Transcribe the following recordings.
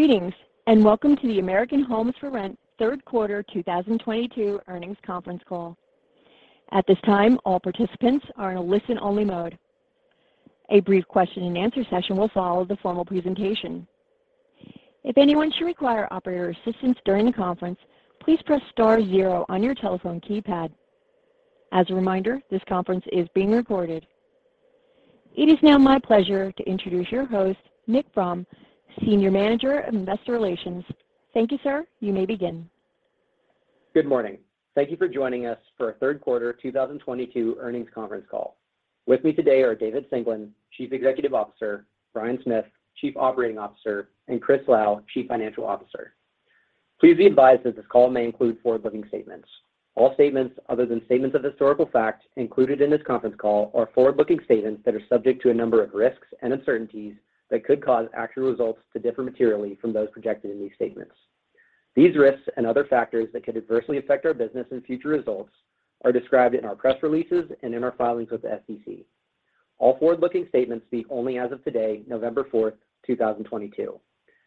Greetings, and welcome to the American Homes 4 Rent third quarter 2022 earnings conference call. At this time, all participants are in a listen-only mode. A brief question and answer session will follow the formal presentation. If anyone should require operator assistance during the conference, please press star zero on your telephone keypad. As a reminder, this conference is being recorded. It is now my pleasure to introduce your host, Nick Fromm, Senior Manager of Investor Relations. Thank you, sir. You may begin. Good morning. Thank you for joining us for our third quarter 2022 earnings conference call. With me today are David Singelyn, Chief Executive Officer, Bryan Smith, Chief Operating Officer, and Chris Lau, Chief Financial Officer. Please be advised that this call may include forward-looking statements. All statements other than statements of historical fact included in this conference call are forward-looking statements that are subject to a number of risks and uncertainties that could cause actual results to differ materially from those projected in these statements. These risks and other factors that could adversely affect our business and future results are described in our press releases and in our filings with the SEC. All forward-looking statements speak only as of today, November 4, 2022.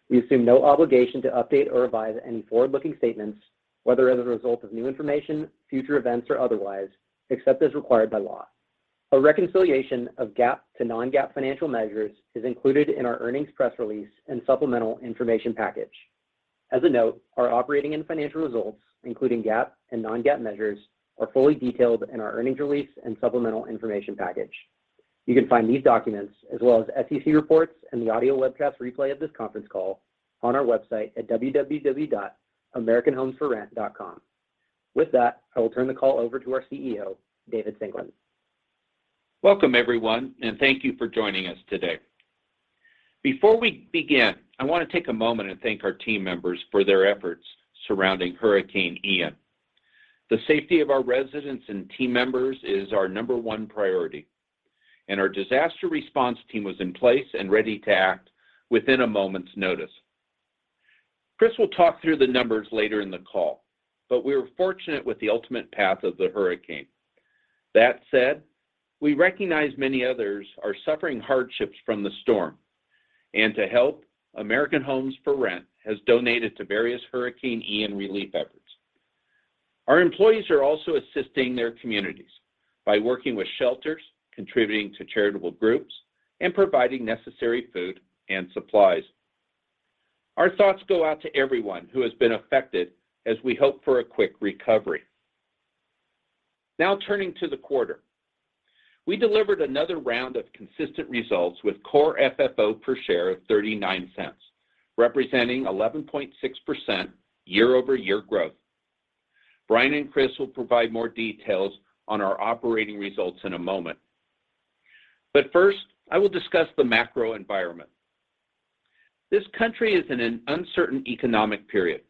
We assume no obligation to update or revise any forward-looking statements, whether as a result of new information, future events, or otherwise, except as required by law. A reconciliation of GAAP to non-GAAP financial measures is included in our earnings press release and supplemental information package. As a note, our operating and financial results, including GAAP and non-GAAP measures, are fully detailed in our earnings release and supplemental information package. You can find these documents as well as SEC reports and the audio webcast replay of this conference call on our website at www.americanhomesforrent.com. With that, I will turn the call over to our CEO, David Singelyn. Welcome, everyone, and thank you for joining us today. Before we begin, I want to take a moment and thank our team members for their efforts surrounding Hurricane Ian. The safety of our residents and team members is our number one priority, and our disaster response team was in place and ready to act within a moment's notice. Chris will talk through the numbers later in the call, but we were fortunate with the ultimate path of the hurricane. That said, we recognize many others are suffering hardships from the storm. To help, American Homes 4 Rent has donated to various Hurricane Ian relief efforts. Our employees are also assisting their communities by working with shelters, contributing to charitable groups, and providing necessary food and supplies. Our thoughts go out to everyone who has been affected as we hope for a quick recovery. Now turning to the quarter. We delivered another round of consistent results with core FFO per share of $0.39, representing 11.6% year-over-year growth. Bryan and Chris will provide more details on our operating results in a moment. First, I will discuss the macro environment. This country is in an uncertain economic period.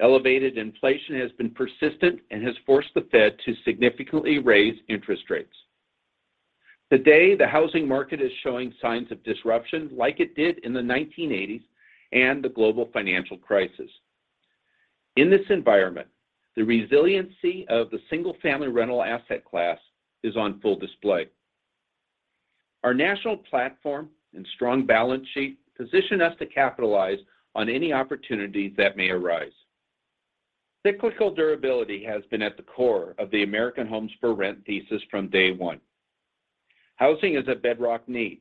Elevated inflation has been persistent and has forced the Fed to significantly raise interest rates. Today, the housing market is showing signs of disruption like it did in the 1980s and the global financial crisis. In this environment, the resiliency of the single-family rental asset class is on full display. Our national platform and strong balance sheet position us to capitalize on any opportunities that may arise. Cyclical durability has been at the core of the American Homes 4 Rent thesis from day one. Housing is a bedrock need,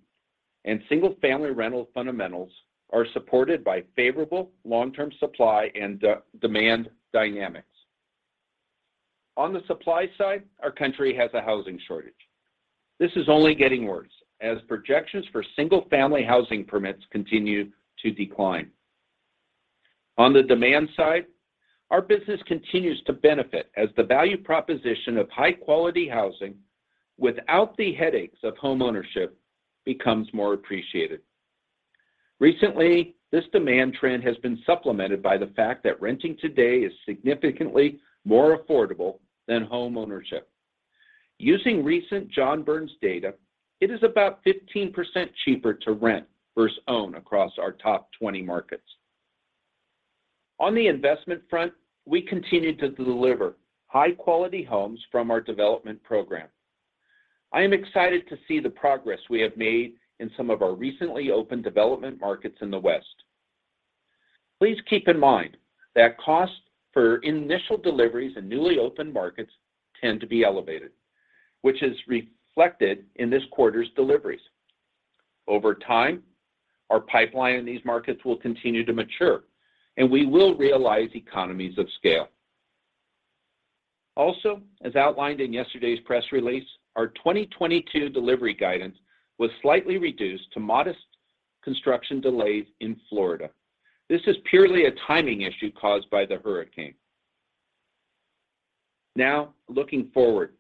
and single-family rental fundamentals are supported by favorable long-term supply and demand dynamics. On the supply side, our country has a housing shortage. This is only getting worse as projections for single-family housing permits continue to decline. On the demand side, our business continues to benefit as the value proposition of high-quality housing without the headaches of homeownership becomes more appreciated. Recently, this demand trend has been supplemented by the fact that renting today is significantly more affordable than homeownership. Using recent John Burns data, it is about 15% cheaper to rent versus own across our top 20 markets. On the investment front, we continue to deliver high-quality homes from our development program. I am excited to see the progress we have made in some of our recently opened development markets in the West. Please keep in mind that costs for initial deliveries in newly opened markets tend to be elevated, which is reflected in this quarter's deliveries. Over time, our pipeline in these markets will continue to mature, and we will realize economies of scale. Also, as outlined in yesterday's press release, our 2022 delivery guidance was slightly reduced to modest construction delays in Florida. This is purely a timing issue caused by the hurricane. Now, looking forward,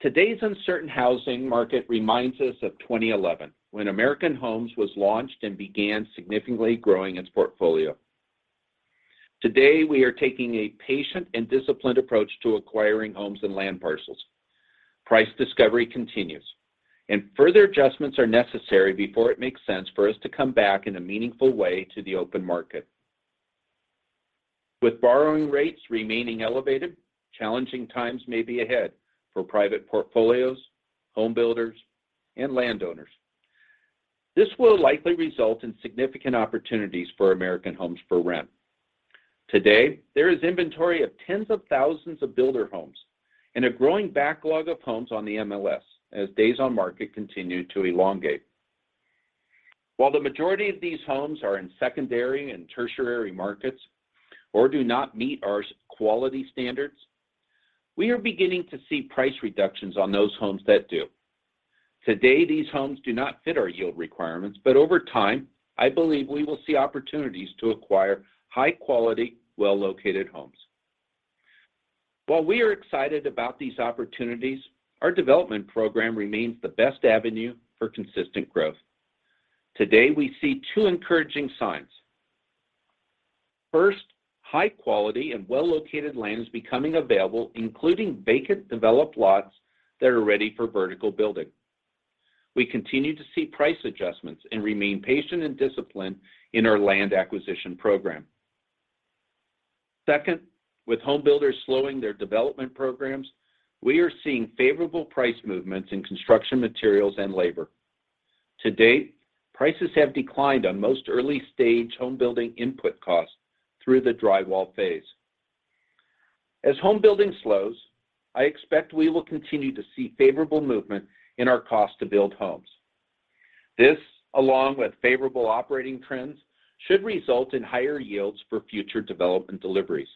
today's uncertain housing market reminds us of 2011 when American Homes was launched and began significantly growing its portfolio. Today, we are taking a patient and disciplined approach to acquiring homes and land parcels. Price discovery continues, and further adjustments are necessary before it makes sense for us to come back in a meaningful way to the open market. With borrowing rates remaining elevated, challenging times may be ahead for private portfolios, home builders, and landowners. This will likely result in significant opportunities for American Homes 4 Rent. Today, there is inventory of tens of thousands of builder homes and a growing backlog of homes on the MLS as days on market continue to elongate. While the majority of these homes are in secondary and tertiary markets or do not meet our quality standards, we are beginning to see price reductions on those homes that do. Today, these homes do not fit our yield requirements, but over time, I believe we will see opportunities to acquire high-quality, well-located homes. While we are excited about these opportunities, our development program remains the best avenue for consistent growth. Today, we see two encouraging signs. First, high quality and well-located land is becoming available, including vacant developed lots that are ready for vertical building. We continue to see price adjustments and remain patient and disciplined in our land acquisition program. Second, with home builders slowing their development programs, we are seeing favorable price movements in construction materials and labor. To date, prices have declined on most early-stage home-building input costs through the drywall phase. As home building slows, I expect we will continue to see favorable movement in our cost to build homes. This, along with favorable operating trends, should result in higher yields for future development deliveries.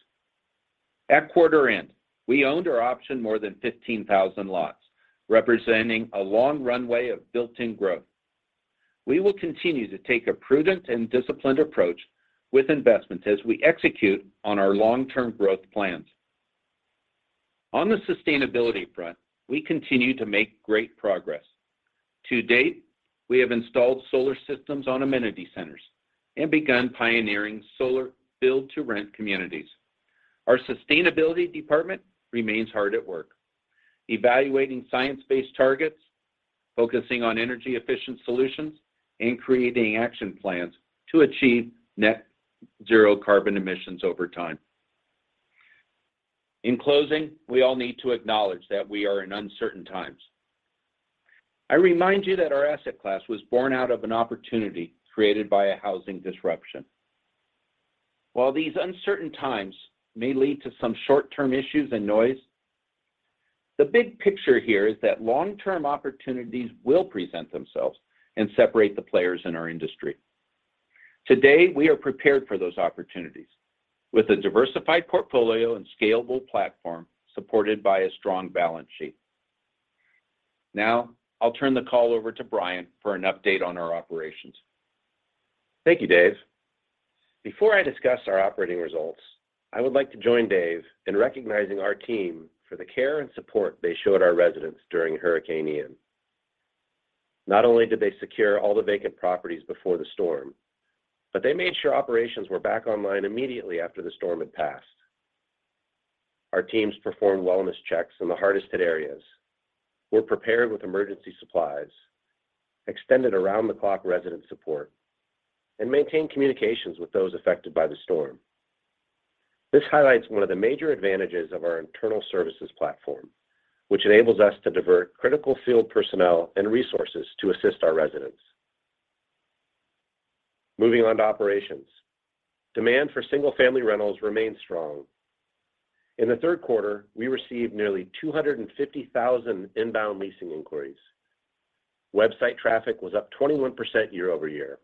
At quarter end, we owned or optioned more than 15,000 lots, representing a long runway of built-in growth. We will continue to take a prudent and disciplined approach with investments as we execute on our long-term growth plans. On the sustainability front, we continue to make great progress. To date, we have installed solar systems on amenity centers and begun pioneering solar build-to-rent communities. Our sustainability department remains hard at work evaluating science-based targets, focusing on energy-efficient solutions, and creating action plans to achieve net zero carbon emissions over time. In closing, we all need to acknowledge that we are in uncertain times. I remind you that our asset class was born out of an opportunity created by a housing disruption. While these uncertain times may lead to some short-term issues and noise, the big picture here is that long-term opportunities will present themselves and separate the players in our industry. Today, we are prepared for those opportunities with a diversified portfolio and scalable platform supported by a strong balance sheet. Now, I'll turn the call over to Bryan for an update on our operations. Thank you, Dave. Before I discuss our operating results, I would like to join Dave in recognizing our team for the care and support they showed our residents during Hurricane Ian. Not only did they secure all the vacant properties before the storm, but they made sure operations were back online immediately after the storm had passed. Our teams performed wellness checks in the hardest hit areas, were prepared with emergency supplies, extended around-the-clock resident support, and maintained communications with those affected by the storm. This highlights one of the major advantages of our internal services platform, which enables us to divert critical field personnel and resources to assist our residents. Moving on to operations. Demand for single-family rentals remained strong. In the third quarter, we received nearly 250,000 inbound leasing inquiries. Website traffic was up 21% year-over-year.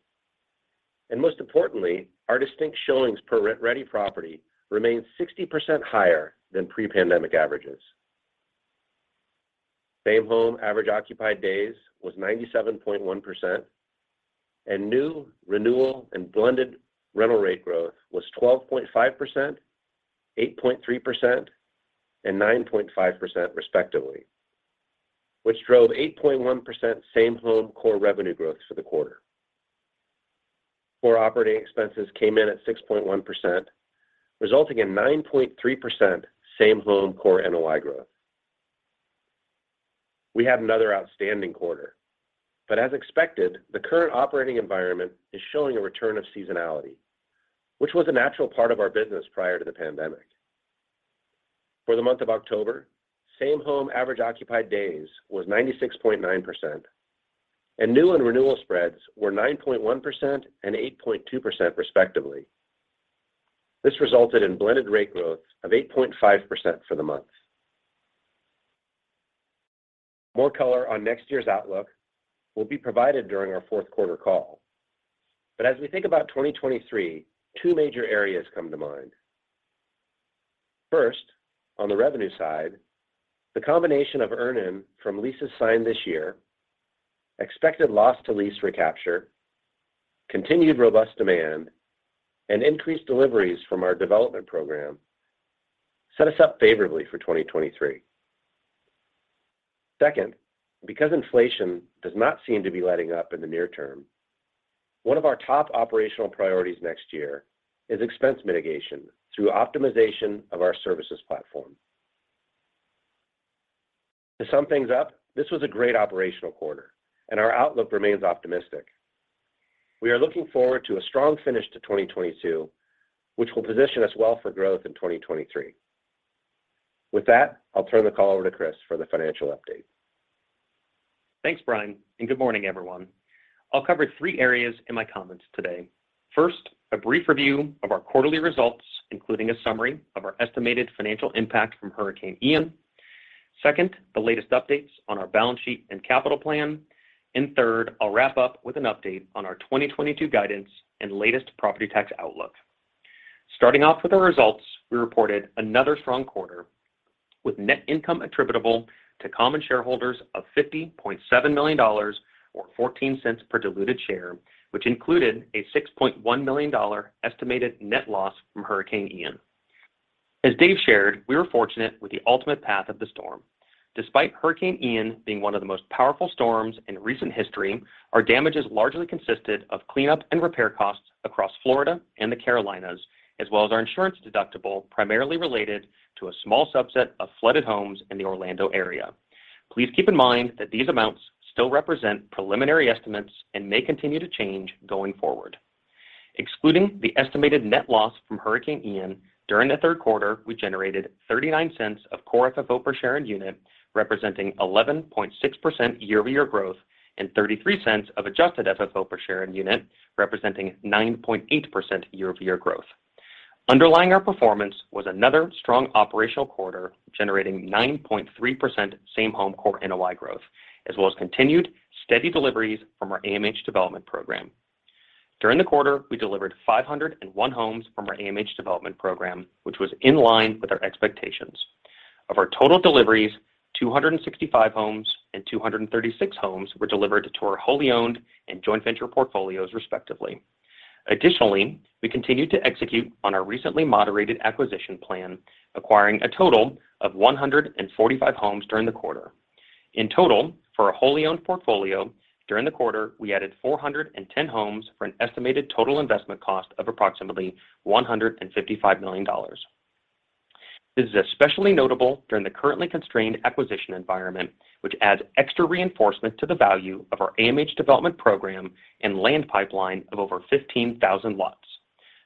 Most importantly, our distinct showings per rent-ready property remained 60% higher than pre-pandemic averages. Same home average occupied days was 97.1%. New renewal and blended rental rate growth was 12.5%, 8.3%, and 9.5% respectively, which drove 8.1% same home core revenue growth for the quarter. Core operating expenses came in at 6.1%, resulting in 9.3% same home core NOI growth. We had another outstanding quarter. As expected, the current operating environment is showing a return of seasonality, which was a natural part of our business prior to the pandemic. For the month of October, same home average occupied days was 96.9%, and new and renewal spreads were 9.1% and 8.2% respectively. This resulted in blended rate growth of 8.5% for the month. More color on next year's outlook will be provided during our fourth quarter call. As we think about 2023, two major areas come to mind. First, on the revenue side, the combination of earn-in from leases signed this year, expected loss to lease recapture, continued robust demand, and increased deliveries from our development program set us up favorably for 2023. Second, because inflation does not seem to be letting up in the near term, one of our top operational priorities next year is expense mitigation through optimization of our services platform. To sum things up, this was a great operational quarter, and our outlook remains optimistic. We are looking forward to a strong finish to 2022, which will position us well for growth in 2023. With that, I'll turn the call over to Chris for the financial update. Thanks, Bryan, and good morning, everyone. I'll cover three areas in my comments today. First, a brief review of our quarterly results, including a summary of our estimated financial impact from Hurricane Ian. Second, the latest updates on our balance sheet and capital plan. Third, I'll wrap up with an update on our 2022 guidance and latest property tax outlook. Starting off with our results, we reported another strong quarter with net income attributable to common shareholders of $50.7 million or $0.14 per diluted share, which included a $6.1 million estimated net loss from Hurricane Ian. As Dave shared, we were fortunate with the ultimate path of the storm. Despite Hurricane Ian being one of the most powerful storms in recent history, our damages largely consisted of cleanup and repair costs across Florida and the Carolinas, as well as our insurance deductible primarily related to a small subset of flooded homes in the Orlando area. Please keep in mind that these amounts still represent preliminary estimates and may continue to change going forward. Excluding the estimated net loss from Hurricane Ian, during the third quarter, we generated $0.39 of core FFO per share and unit, representing 11.6% year-over-year growth, and $0.33 of adjusted FFO per share and unit, representing 9.8% year-over-year growth. Underlying our performance was another strong operational quarter, generating 9.3% same home core NOI growth, as well as continued steady deliveries from our AMH development program. During the quarter, we delivered 501 homes from our AMH development program, which was in line with our expectations. Of our total deliveries, 265 homes and 236 homes were delivered to our wholly owned and joint venture portfolios respectively. Additionally, we continued to execute on our recently moderated acquisition plan, acquiring a total of 145 homes during the quarter. In total, for our wholly owned portfolio during the quarter, we added 410 homes for an estimated total investment cost of approximately $155 million. This is especially notable during the currently constrained acquisition environment, which adds extra reinforcement to the value of our AMH development program and land pipeline of over 15,000 lots.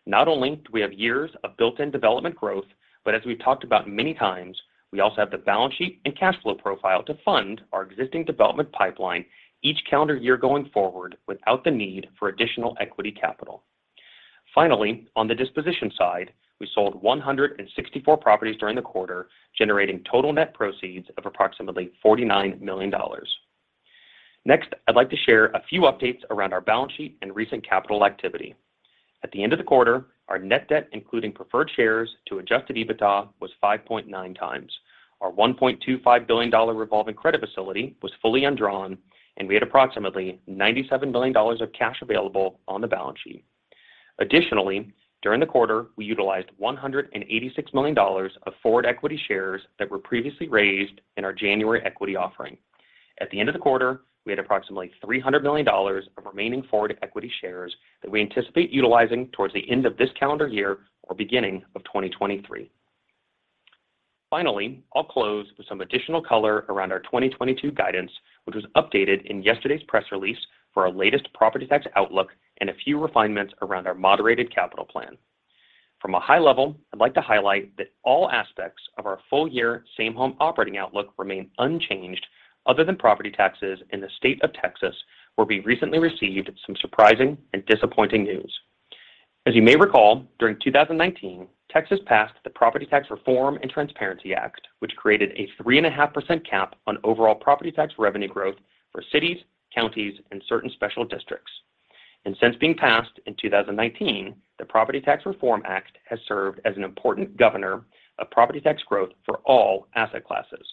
Not only do we have years of built-in development growth, but as we've talked about many times, we also have the balance sheet and cash flow profile to fund our existing development pipeline each calendar year going forward without the need for additional equity capital. Finally, on the disposition side, we sold 164 properties during the quarter, generating total net proceeds of approximately $49 million. Next, I'd like to share a few updates around our balance sheet and recent capital activity. At the end of the quarter, our net debt including preferred shares to adjusted EBITDA was 5.9x. Our $1.25 billion revolving credit facility was fully undrawn, and we had approximately $97 million of cash available on the balance sheet. Additionally, during the quarter, we utilized $186 million of forward equity shares that were previously raised in our January equity offering. At the end of the quarter, we had approximately $300 million of remaining forward equity shares that we anticipate utilizing towards the end of this calendar year or beginning of 2023. Finally, I'll close with some additional color around our 2022 guidance, which was updated in yesterday's press release for our latest property tax outlook and a few refinements around our moderated capital plan. From a high level, I'd like to highlight that all aspects of our full year same home operating outlook remain unchanged other than property taxes in the state of Texas, where we recently received some surprising and disappointing news. As you may recall, during 2019, Texas passed the Texas Property Tax Reform and Transparency Act, which created a 3.5% cap on overall property tax revenue growth for cities, counties, and certain special districts. Since being passed in 2019, the Texas Property Tax Reform and Transparency Act has served as an important governor of property tax growth for all asset classes.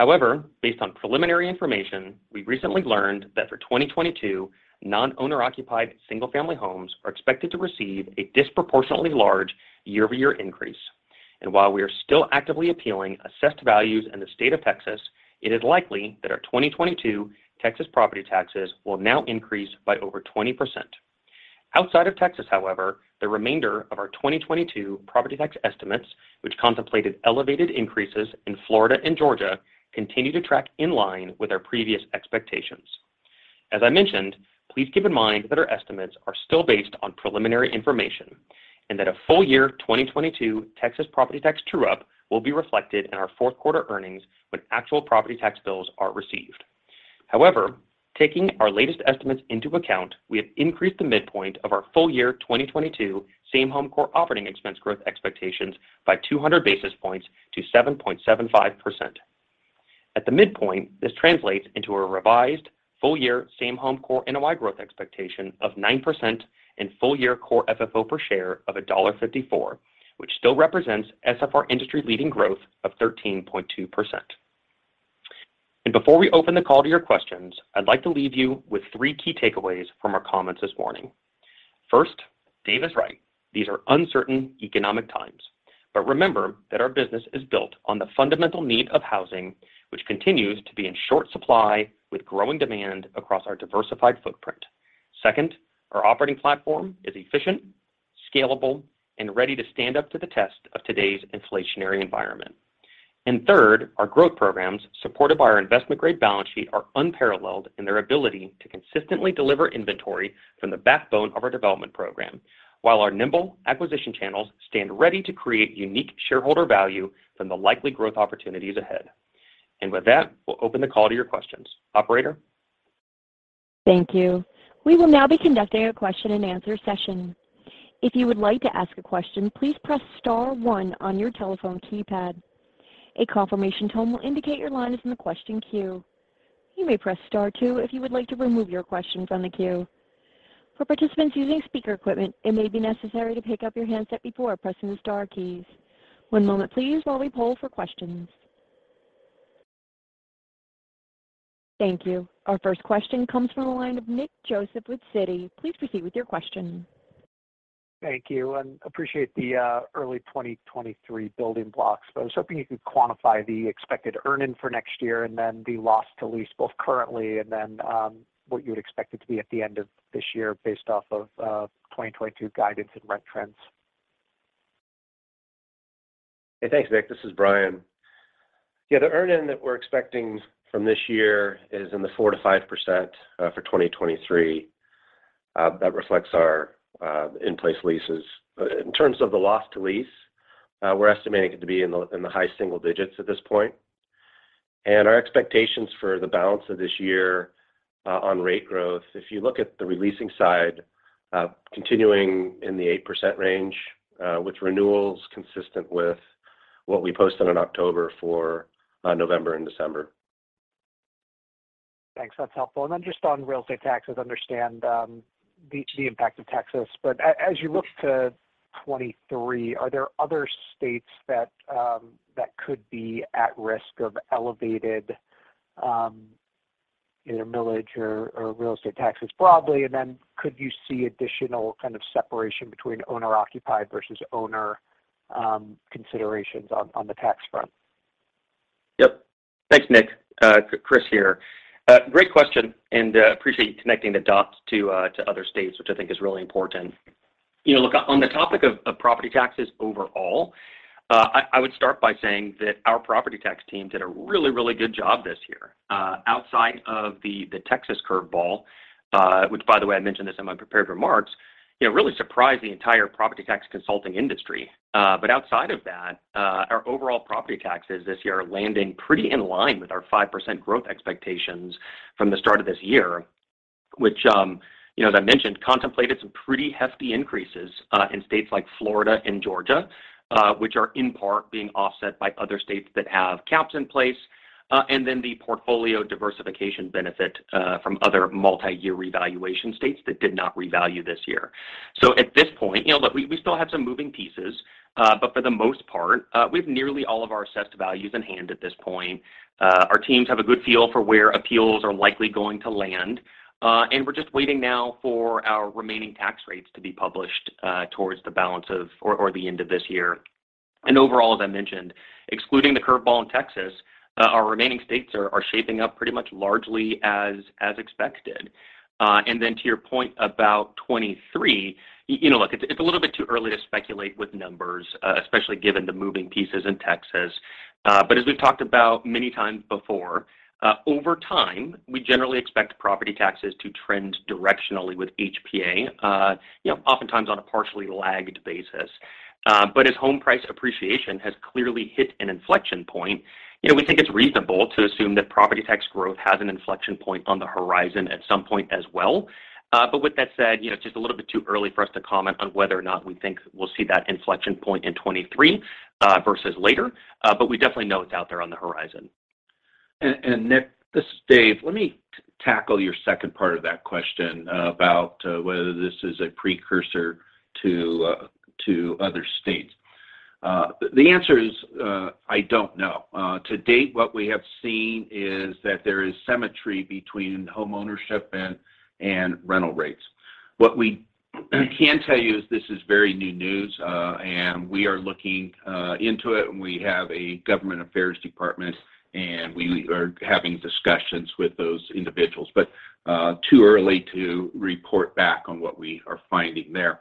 However, based on preliminary information, we recently learned that for 2022, non-owner occupied single-family homes are expected to receive a disproportionately large year-over-year increase. While we are still actively appealing assessed values in the state of Texas, it is likely that our 2022 Texas property taxes will now increase by over 20%. Outside of Texas, however, the remainder of our 2022 property tax estimates, which contemplated elevated increases in Florida and Georgia, continue to track in line with our previous expectations. As I mentioned, please keep in mind that our estimates are still based on preliminary information and that a full year 2022 Texas property tax true-up will be reflected in our fourth quarter earnings when actual property tax bills are received. However, taking our latest estimates into account, we have increased the midpoint of our full year 2022 same home core operating expense growth expectations by 200 basis points to 7.75%. At the midpoint, this translates into a revised full year same home core NOI growth expectation of 9% and full year core FFO per share of $1.54, which still represents SFR industry-leading growth of 13.2%. Before we open the call to your questions, I'd like to leave you with three key takeaways from our comments this morning. First, Dave is right. These are uncertain economic times. Remember that our business is built on the fundamental need of housing, which continues to be in short supply with growing demand across our diversified footprint. Second, our operating platform is efficient, scalable, and ready to stand up to the test of today's inflationary environment. Third, our growth programs, supported by our investment-grade balance sheet, are unparalleled in their ability to consistently deliver inventory from the backbone of our development program, while our nimble acquisition channels stand ready to create unique shareholder value from the likely growth opportunities ahead. With that, we'll open the call to your questions. Operator. Thank you. We will now be conducting a question-and-answer session. If you would like to ask a question, please press star one on your telephone keypad. A confirmation tone will indicate your line is in the question queue. You may press star two if you would like to remove your questions from the queue. For participants using speaker equipment, it may be necessary to pick up your handset before pressing the star keys. One moment please while we poll for questions. Thank you. Our first question comes from the line of Nick Joseph with Citi. Please proceed with your question. Thank you, and appreciate the early 2023 building blocks. I was hoping you could quantify the expected earnings for next year and then the loss to lease both currently and then what you would expect it to be at the end of this year based off of 2022 guidance and rent trends. Hey, thanks, Nick. This is Bryan. Yeah, the earn-in that we're expecting from this year is in the 4%-5% for 2023, that reflects our in-place leases. In terms of the loss to lease, we're estimating it to be in the high single digits at this point. Our expectations for the balance of this year on rate growth, if you look at the re-leasing side, continuing in the 8% range with renewals consistent with what we posted in October for November and December. Thanks. That's helpful. Just on real estate taxes, understand the impact of Texas. As you look to 2023, are there other states that could be at risk of elevated either millage or real estate taxes broadly? Could you see additional kind of separation between owner-occupied versus owner considerations on the tax front? Yep. Thanks, Nick. Chris here. Great question, and appreciate you connecting the dots to other states, which I think is really important. You know, look, on the topic of property taxes overall, I would start by saying that our property tax team did a really good job this year. Outside of the Texas curveball, which by the way, I mentioned this in my prepared remarks, it really surprised the entire property tax consulting industry. Outside of that, our overall property taxes this year are landing pretty in line with our 5% growth expectations from the start of this year, which, you know, as I mentioned, contemplated some pretty hefty increases in states like Florida and Georgia, which are in part being offset by other states that have caps in place, and then the portfolio diversification benefit from other multi-year revaluation states that did not revalue this year. At this point, you know, look, we still have some moving pieces, but for the most part, we have nearly all of our assessed values in hand at this point. Our teams have a good feel for where appeals are likely going to land, and we're just waiting now for our remaining tax rates to be published towards the end of this year. Overall, as I mentioned, excluding the curveball in Texas, our remaining states are shaping up pretty much largely as expected. To your point about 2023, you know, look, it's a little bit too early to speculate with numbers, especially given the moving pieces in Texas. As we've talked about many times before, over time, we generally expect property taxes to trend directionally with HPA, you know, oftentimes on a partially lagged basis. As home price appreciation has clearly hit an inflection point, you know, we think it's reasonable to assume that property tax growth has an inflection point on the horizon at some point as well. With that said, you know, it's just a little bit too early for us to comment on whether or not we think we'll see that inflection point in 2023, versus later. We definitely know it's out there on the horizon. Nick, this is Dave. Let me tackle your second part of that question about whether this is a precursor to other states. The answer is, I don't know. To date, what we have seen is that there is symmetry between homeownership and rental rates. What we can tell you is this is very new news, and we are looking into it, and we have a government affairs department, and we are having discussions with those individuals. Too early to report back on what we are finding there.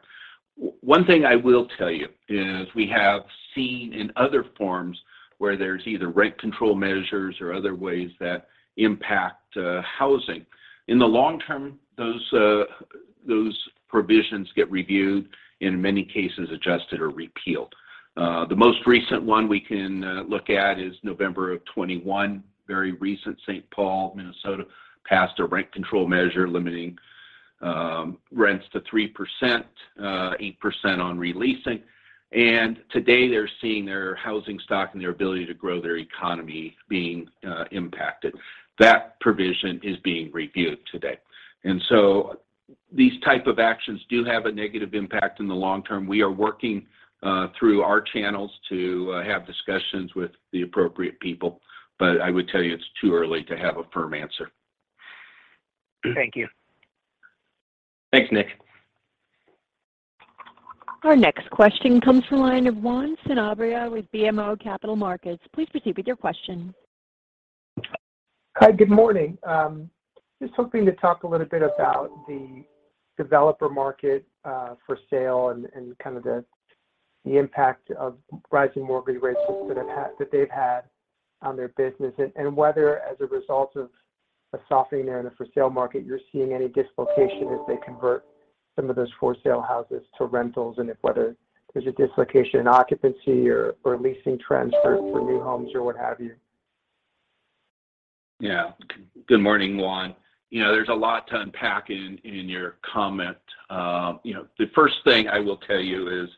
One thing I will tell you is we have seen in other forms where there's either rent control measures or other ways that impact housing. In the long term, those provisions get reviewed, in many cases, adjusted or repealed. The most recent one we can look at is November of 2021, very recent. St. Paul, Minnesota passed a rent control measure limiting rents to 3%, 8% on re-leasing. Today they're seeing their housing stock and their ability to grow their economy being impacted. That provision is being reviewed today. These type of actions do have a negative impact in the long term. We are working through our channels to have discussions with the appropriate people, but I would tell you it's too early to have a firm answer. Thank you. Thanks, Nick. Our next question comes from the line of Juan Sanabria with BMO Capital Markets. Please proceed with your question. Hi, good morning. Just hoping to talk a little bit about the developer market, for sale and kind of the impact of rising mortgage rates that they've had on their business. Whether as a result of a softening there in the for sale market, you're seeing any dislocation as they convert some of those for sale houses to rentals, and whether there's a dislocation in occupancy or leasing trends for new homes or what have you. Yeah. Good morning, Juan. You know, there's a lot to unpack in your comment. You know, the first thing I will tell you is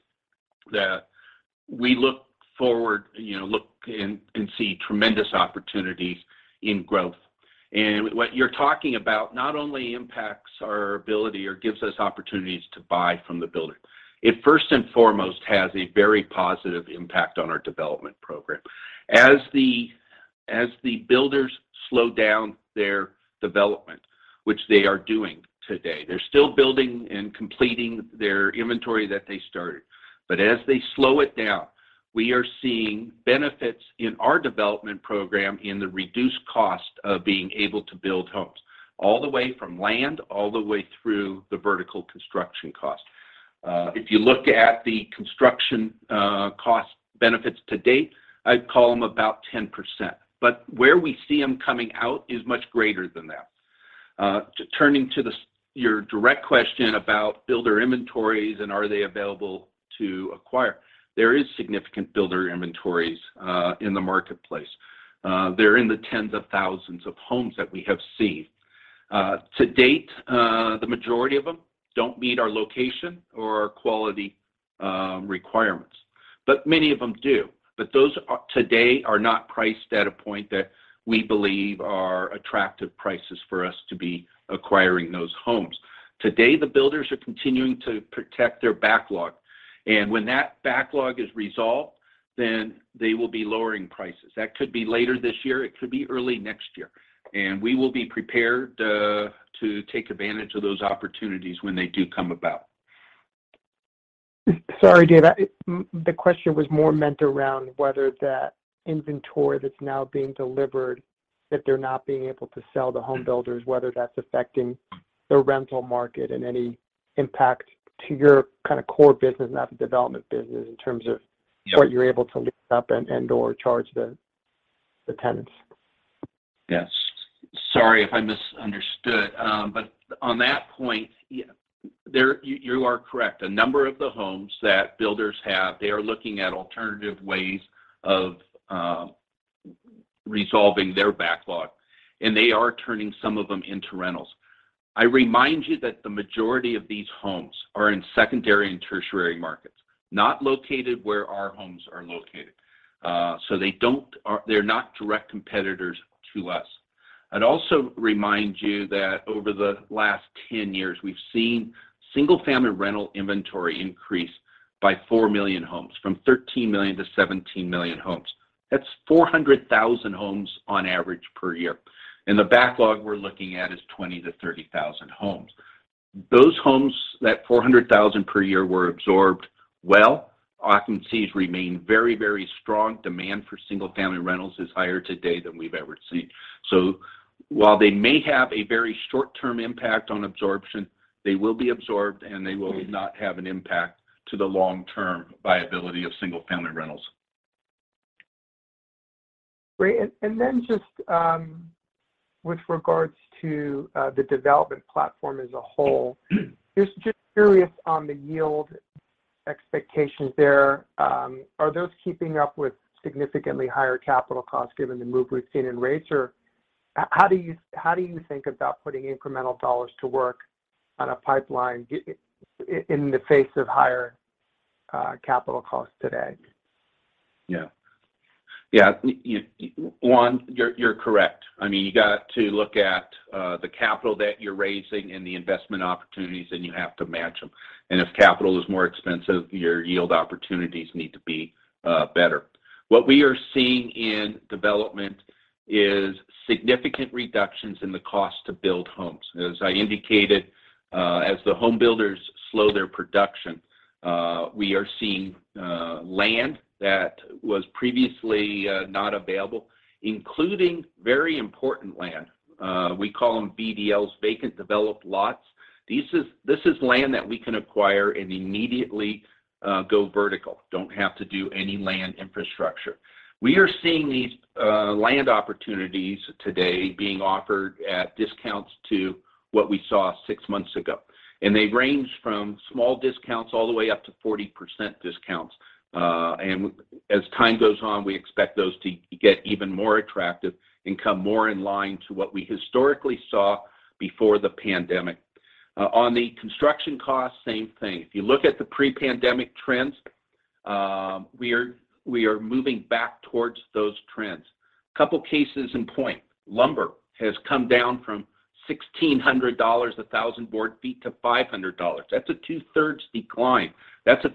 that we look and see tremendous opportunities in growth. What you're talking about not only impacts our ability or gives us opportunities to buy from the builder. It first and foremost has a very positive impact on our development program. As the builders slow down their development, which they are doing today, they're still building and completing their inventory that they started, but as they slow it down, we are seeing benefits in our development program in the reduced cost of being able to build homes, all the way from land all the way through the vertical construction cost. If you look at the construction cost benefits to date, I'd call them about 10%, but where we see them coming out is much greater than that. Turning to your direct question about builder inventories and are they available to acquire, there is significant builder inventories in the marketplace. They're in the tens of thousands of homes that we have seen. To date, the majority of them don't meet our location or our quality requirements, but many of them do. But those today are not priced at a point that we believe are attractive prices for us to be acquiring those homes. Today, the builders are continuing to protect their backlog, and when that backlog is resolved, then they will be lowering prices. That could be later this year. It could be early next year. We will be prepared to take advantage of those opportunities when they do come about. Sorry, Dave. The question was more meant around whether that inventory that's now being delivered, that they're not being able to sell to home builders, whether that's affecting the rental market and any impact to your kind of core business, not the development business, in terms of. Yeah what you're able to lease up and/or charge the tenants. Yes. Sorry if I misunderstood. But on that point, yeah, you are correct. A number of the homes that builders have, they are looking at alternative ways of resolving their backlog, and they are turning some of them into rentals. I remind you that the majority of these homes are in secondary and tertiary markets, not located where our homes are located. So they're not direct competitors to us. I'd also remind you that over the last 10 years, we've seen single-family rental inventory increase by 4 million homes, from 13 million to 17 million homes. That's 400,000 homes on average per year. The backlog we're looking at is 20,000-30,000 homes. Those homes, that 400,000 per year were absorbed well. Occupancies remain very, very strong. Demand for single-family rentals is higher today than we've ever seen. While they may have a very short-term impact on absorption, they will be absorbed, and they will not have an impact to the long-term viability of single-family rentals. Great. With regards to the development platform as a whole, just curious on the yield expectations there. Are those keeping up with significantly higher capital costs given the move we've seen in rates? Or how do you think about putting incremental dollars to work on a pipeline in the face of higher capital costs today? Yeah. Yeah. Juan, you're correct. I mean, you got to look at the capital that you're raising and the investment opportunities, and you have to match them. If capital is more expensive, your yield opportunities need to be better. What we are seeing in development is significant reductions in the cost to build homes. As I indicated, as the home builders slow their production, we are seeing land that was previously not available, including very important land. We call them VDL, vacant developed lots. This is land that we can acquire and immediately go vertical. Don't have to do any land infrastructure. We are seeing these land opportunities today being offered at discounts to what we saw six months ago. They range from small discounts all the way up to 40% discounts. As time goes on, we expect those to get even more attractive and come more in line to what we historically saw before the pandemic. On the construction cost, same thing. If you look at the pre-pandemic trends, we are moving back towards those trends. A couple cases in point. Lumber has come down from $1,600 a thousand board feet to $500. That's a two-thirds decline. That's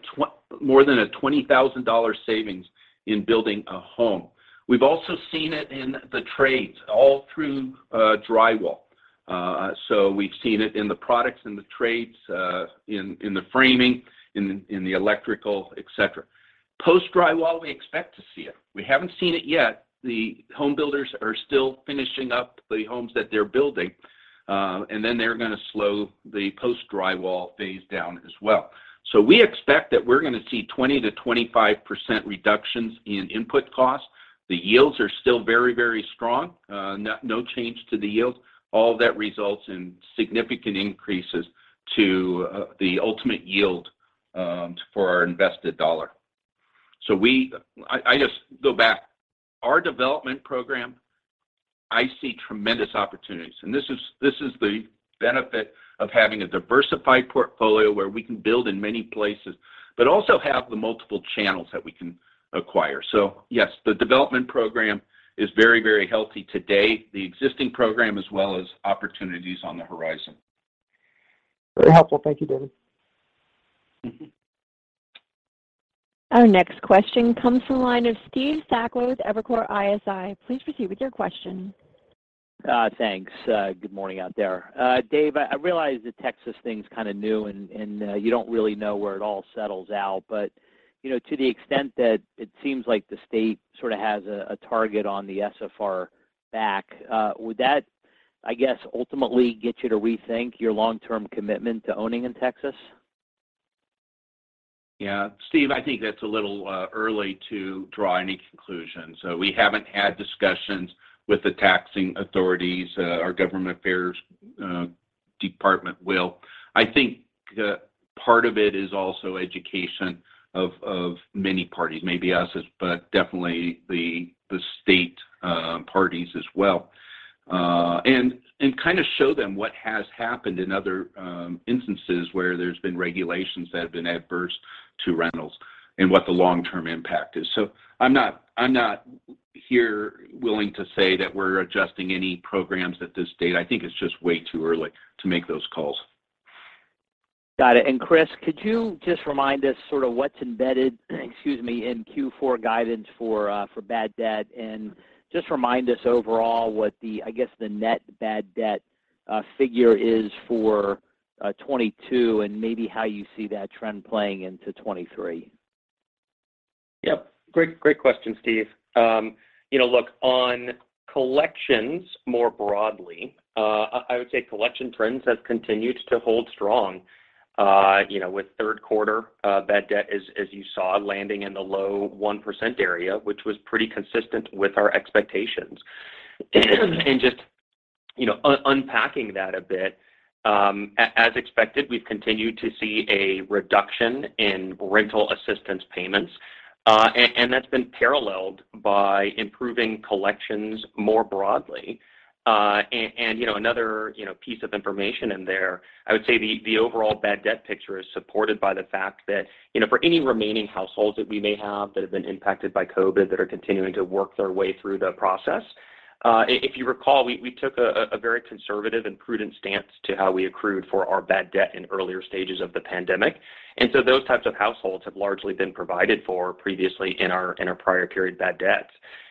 more than a $20,000 savings in building a home. We've also seen it in the trades all through drywall. We've seen it in the products and the trades, in the framing, in the electrical, et cetera. Post drywall, we expect to see it. We haven't seen it yet. The home builders are still finishing up the homes that they're building, and then they're gonna slow the post drywall phase down as well. We expect that we're gonna see 20%-25% reductions in input costs. The yields are still very, very strong. No change to the yields. All that results in significant increases to the ultimate yield for our invested dollar. I just go back. Our development program, I see tremendous opportunities, and this is the benefit of having a diversified portfolio where we can build in many places but also have the multiple channels that we can acquire. Yes, the development program is very, very healthy today, the existing program as well as opportunities on the horizon. Very helpful. Thank you, David. Mm-hmm. Our next question comes from the line of Steve Sakwa with Evercore ISI. Please proceed with your question. Thanks. Good morning out there. Dave, I realize the Texas thing's kind of new and you don't really know where it all settles out. You know, to the extent that it seems like the state sort of has a target on the SFR back, would that, I guess, ultimately get you to rethink your long-term commitment to owning in Texas? Yeah. Steve, I think that's a little early to draw any conclusions. We haven't had discussions with the taxing authorities. Our government affairs department will. I think part of it is also education of many parties, maybe us, but definitely the state parties as well. Kind of show them what has happened in other instances where there's been regulations that have been adverse to rentals and what the long-term impact is. I'm not here willing to say that we're adjusting any programs at this state. I think it's just way too early to make those calls. Got it. Chris, could you just remind us sort of what's embedded, excuse me, in Q4 guidance for bad debt? Just remind us overall what the, I guess, the net bad debt figure is for 2022 and maybe how you see that trend playing into 2023. Yep. Great question, Steve. You know, look, on collections more broadly, I would say collection trends have continued to hold strong, you know, with third quarter bad debt as you saw landing in the low 1% area, which was pretty consistent with our expectations. Just, you know, unpacking that a bit, as expected, we've continued to see a reduction in rental assistance payments, and that's been paralleled by improving collections more broadly. You know, another, you know, piece of information in there, I would say the overall bad debt picture is supported by the fact that, you know, for any remaining households that we may have that have been impacted by COVID that are continuing to work their way through the process, if you recall, we took a very conservative and prudent stance to how we accrued for our bad debt in earlier stages of the pandemic. Those types of households have largely been provided for previously in our prior period bad debts.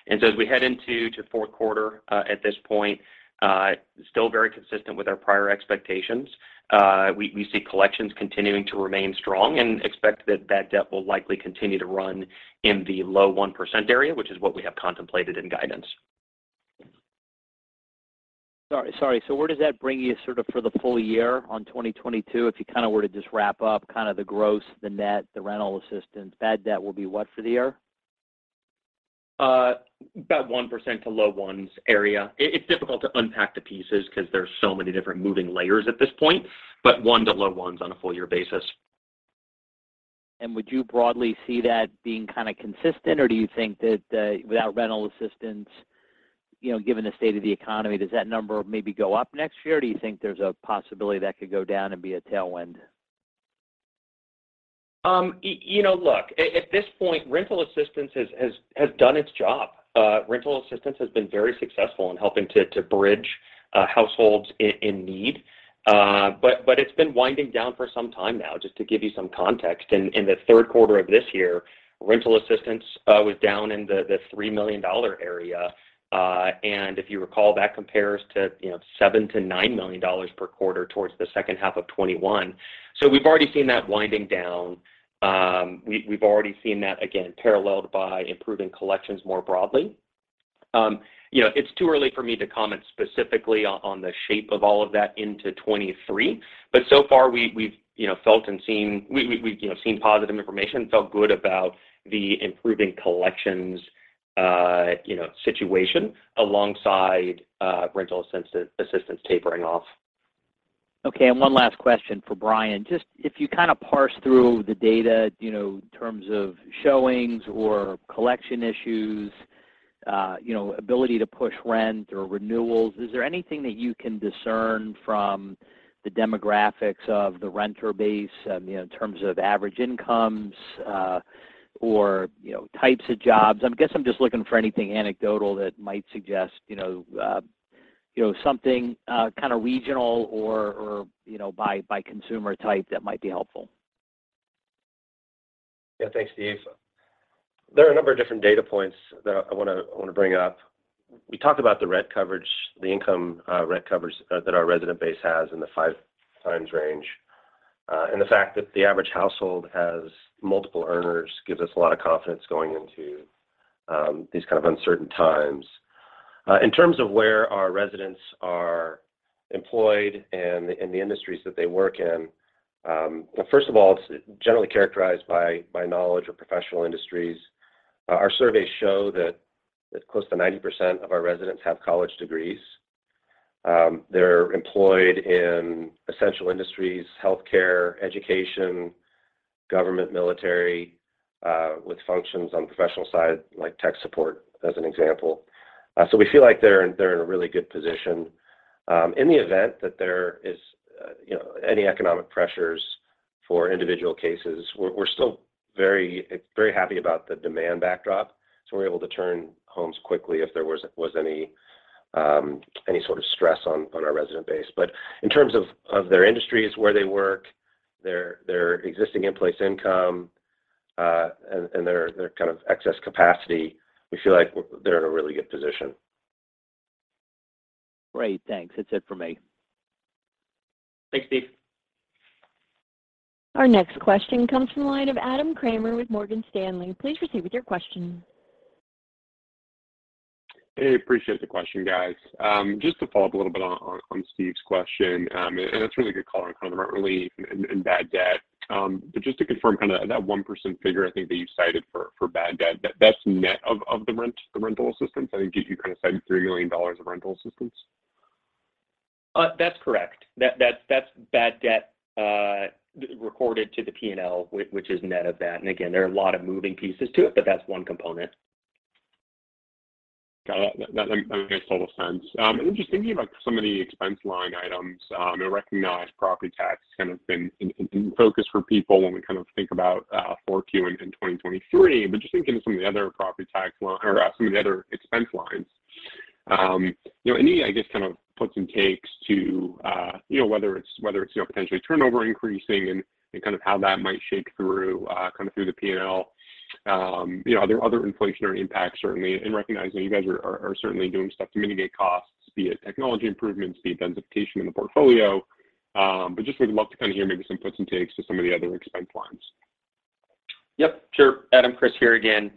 As we head into the fourth quarter, at this point, still very consistent with our prior expectations. We see collections continuing to remain strong and expect that debt will likely continue to run in the low 1% area, which is what we have contemplated in guidance. Sorry, sorry. Where does that bring you sort of for the full year on 2022, if you kind of were to just wrap up kind of the gross, the net, the rental assistance, bad debt will be what for the year? About 1% to low ones area. It's difficult to unpack the pieces because there's so many different moving layers at this point, but 1% to low ones on a full year basis. Would you broadly see that being kind of consistent, or do you think that, without rental assistance, you know, given the state of the economy, does that number maybe go up next year? Or do you think there's a possibility that could go down and be a tailwind? You know, look, at this point, rental assistance has done its job. Rental assistance has been very successful in helping to bridge households in need. It's been winding down for some time now, just to give you some context. In the third quarter of this year, rental assistance was down in the $3 million area. If you recall, that compares to, you know, $7 million-$9 million per quarter towards the second half of 2021. We've already seen that winding down. We've already seen that, again, paralleled by improving collections more broadly. You know, it's too early for me to comment specifically on the shape of all of that into 2023. So far we've, you know, felt and seen. We've, you know, seen positive information, felt good about the improving collections, you know, situation alongside rental assistance tapering off. Okay, one last question for Bryan. Just if you kind of parse through the data, you know, in terms of showings or collection issues, you know, ability to push rent or renewals, is there anything that you can discern from the demographics of the renter base in, you know, in terms of average incomes, or, you know, types of jobs? I guess I'm just looking for anything anecdotal that might suggest, you know, something, kind of regional or, you know, by consumer type that might be helpful. Yeah, thanks, Steve. There are a number of different data points that I wanna bring up. We talked about the rent coverage, the income, rent coverage, that our resident base has in the 5x range. The fact that the average household has multiple earners gives us a lot of confidence going into these kind of uncertain times. In terms of where our residents are employed and the industries that they work in, well, first of all, it's generally characterized by knowledge or professional industries. Our surveys show that close to 90% of our residents have college degrees. They're employed in essential industries, healthcare, education, government, military, with functions on the professional side, like tech support, as an example. We feel like they're in a really good position. In the event that there is you know any economic pressures for individual cases, we're still very happy about the demand backdrop. We're able to turn homes quickly if there was any sort of stress on our resident base. In terms of their industries, where they work, their existing in-place income and their kind of excess capacity, we feel like they're in a really good position. Great. Thanks. That's it for me. Thanks, Steve. Our next question comes from the line of Adam Kramer with Morgan Stanley. Please proceed with your question. Hey, appreciate the question, guys. Just to follow up a little bit on Steve's question, and it's really good color on kind of the rent relief and bad debt. Just to confirm kind of that 1% figure, I think, that you cited for bad debt, that that's net of the rental assistance? I think you kind of cited $3 million of rental assistance. That's correct. That's bad debt recorded to the P&L, which is net of that. Again, there are a lot of moving pieces to it, but that's one component. Got it. That makes total sense. Just thinking about some of the expense line items, I recognize property tax has kind of been in focus for people when we kind of think about 4Q in 2023. Just thinking of some of the other expense lines, you know, any, I guess, kind of puts and takes to, you know, whether it's, you know, potentially turnover increasing and kind of how that might shake through kind of through the P&L. You know, are there other inflationary impacts, certainly? Recognizing you guys are certainly doing stuff to mitigate costs, be it technology improvements, be it densification in the portfolio. Just would love to kind of hear maybe some puts and takes to some of the other expense lines. Yep, sure. Adam, Chris here again.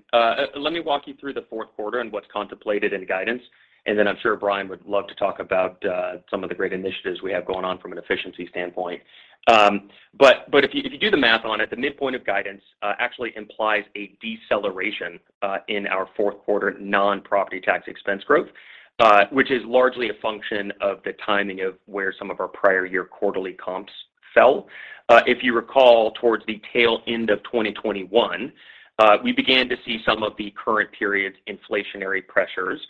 Let me walk you through the fourth quarter and what's contemplated in guidance. Then I'm sure Bryan would love to talk about some of the great initiatives we have going on from an efficiency standpoint. But if you do the math on it, the midpoint of guidance actually implies a deceleration in our fourth quarter non-property tax expense growth, which is largely a function of the timing of where some of our prior year quarterly comps fell. If you recall, towards the tail end of 2021, we began to see some of the current period's inflationary pressures.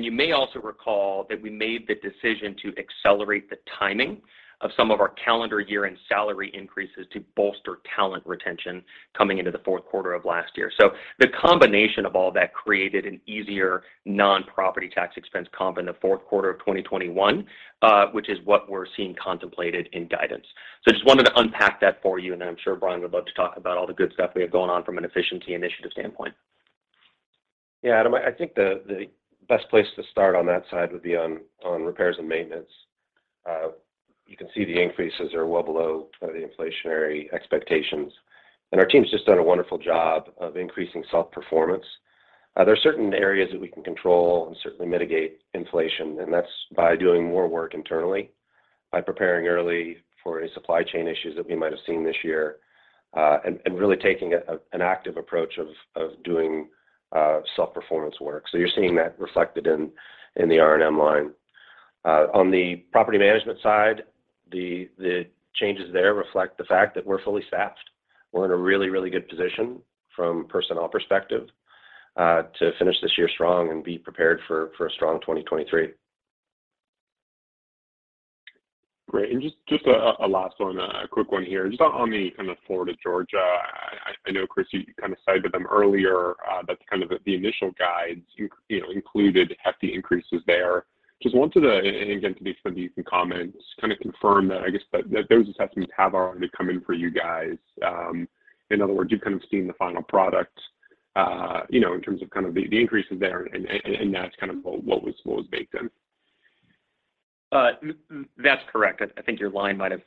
You may also recall that we made the decision to accelerate the timing of some of our calendar year and salary increases to bolster talent retention coming into the fourth quarter of last year. The combination of all that created an easier non-property tax expense comp in the fourth quarter of 2021, which is what we're seeing contemplated in guidance. Just wanted to unpack that for you, and then I'm sure Bryan would love to talk about all the good stuff we have going on from an efficiency initiative standpoint. Yeah, Adam, I think the best place to start on that side would be on repairs and maintenance. You can see the increases are well below kind of the inflationary expectations. Our team's just done a wonderful job of increasing self-performance. There are certain areas that we can control and certainly mitigate inflation, and that's by doing more work internally, by preparing early for any supply chain issues that we might have seen this year, and really taking an active approach of doing self-performance work. So you're seeing that reflected in the R&M line. On the property management side, the changes there reflect the fact that we're fully staffed. We're in a really, really good position from a personnel perspective to finish this year strong and be prepared for a strong 2023. Great. Just a last one, a quick one here. Just on the kind of Florida, Georgia, I know, Chris, you kind of cited them earlier. That's kind of the initial guides you know, included hefty increases there. Just wanted to, and again, to the extent that you can comment, just kind of confirm that, I guess, that those assessments have already come in for you guys. In other words, you've kind of seen the final product, you know, in terms of kind of the increases there and that's kind of what was baked in. That's correct. I think your line might have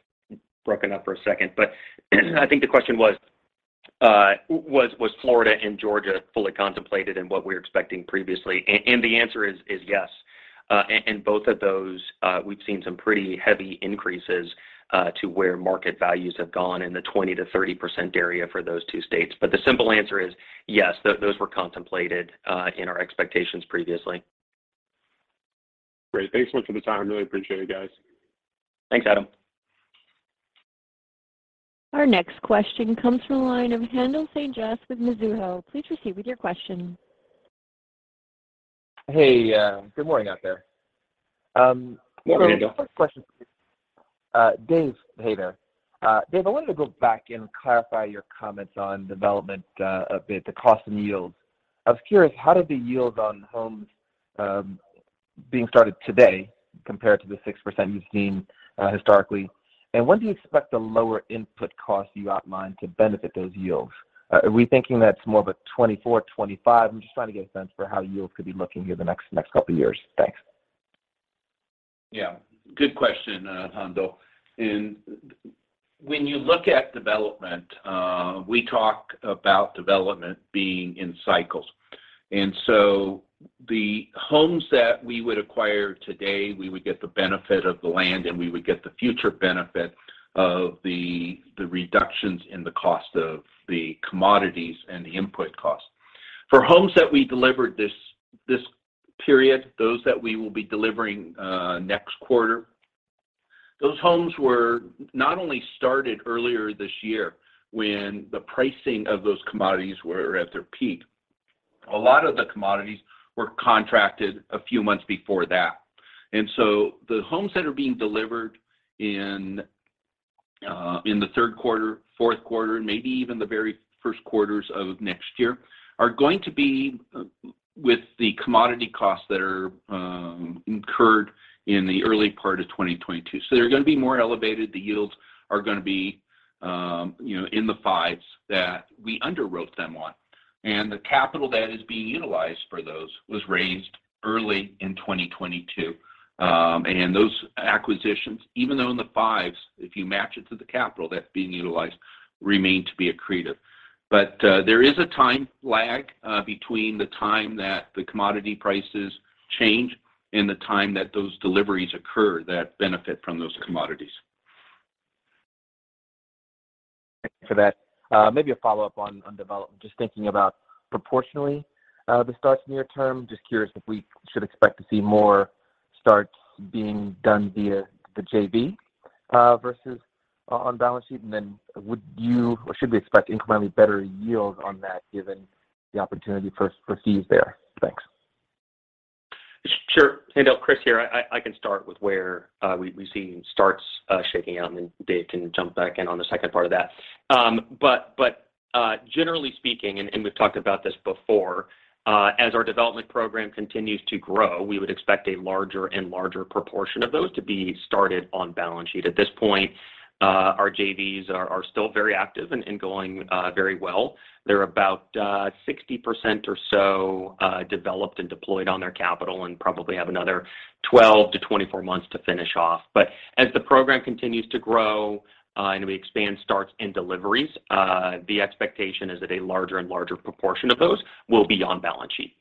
broken up for a second. I think the question was Florida and Georgia fully contemplated in what we were expecting previously? The answer is yes. In both of those, we've seen some pretty heavy increases to where market values have gone in the 20%-30% area for those two states. The simple answer is yes, those were contemplated in our expectations previously. Great. Thanks so much for the time. Really appreciate it, guys. Thanks, Adam. Our next question comes from the line of Haendel St. Juste with Mizuho. Please proceed with your question. Hey, good morning out there. Yeah, Haendel. First question for Dave. Dave, hey there. Dave, I wanted to go back and clarify your comments on development, a bit, the cost and yields. I was curious, how did the yields on homes being started today compare to the 6% you've seen historically? And when do you expect the lower input costs you outlined to benefit those yields? Are we thinking that's more of a 2024, 2025? I'm just trying to get a sense for how yields could be looking here the next couple of years. Thanks. Yeah. Good question, Haendel. When you look at development, we talk about development being in cycles. The homes that we would acquire today, we would get the benefit of the land, and we would get the future benefit of the reductions in the cost of the commodities and the input costs. For homes that we delivered this period, those that we will be delivering next quarter, those homes were not only started earlier this year when the pricing of those commodities were at their peak. A lot of the commodities were contracted a few months before that. The homes that are being delivered in the third quarter, fourth quarter, and maybe even the very first quarters of next year are going to be with the commodity costs that are incurred in the early part of 2022. They're gonna be more elevated. The yields are gonna be in the fives that we underwrote them on. The capital that is being utilized for those was raised early in 2022. Those acquisitions, even though in the fives, if you match it to the capital that's being utilized, remain to be accretive. There is a time lag between the time that the commodity prices change and the time that those deliveries occur that benefit from those commodities. Thank you for that. Maybe a follow-up on development, just thinking about proportionally the starts near term. Just curious if we should expect to see more starts being done via the JV versus on balance sheet. Would you or should we expect incrementally better yields on that given the opportunity for fees there? Thanks. Sure. Haendel, Chris here. I can start with where we're seeing starts shaking out, and then Dave can jump back in on the second part of that. Generally speaking, we've talked about this before, as our development program continues to grow, we would expect a larger and larger proportion of those to be started on balance sheet. At this point, our JVs are still very active and going very well. They're about 60% or so developed and deployed on their capital and probably have another 12-24 months to finish off. As the program continues to grow, and we expand starts and deliveries, the expectation is that a larger and larger proportion of those will be on balance sheet.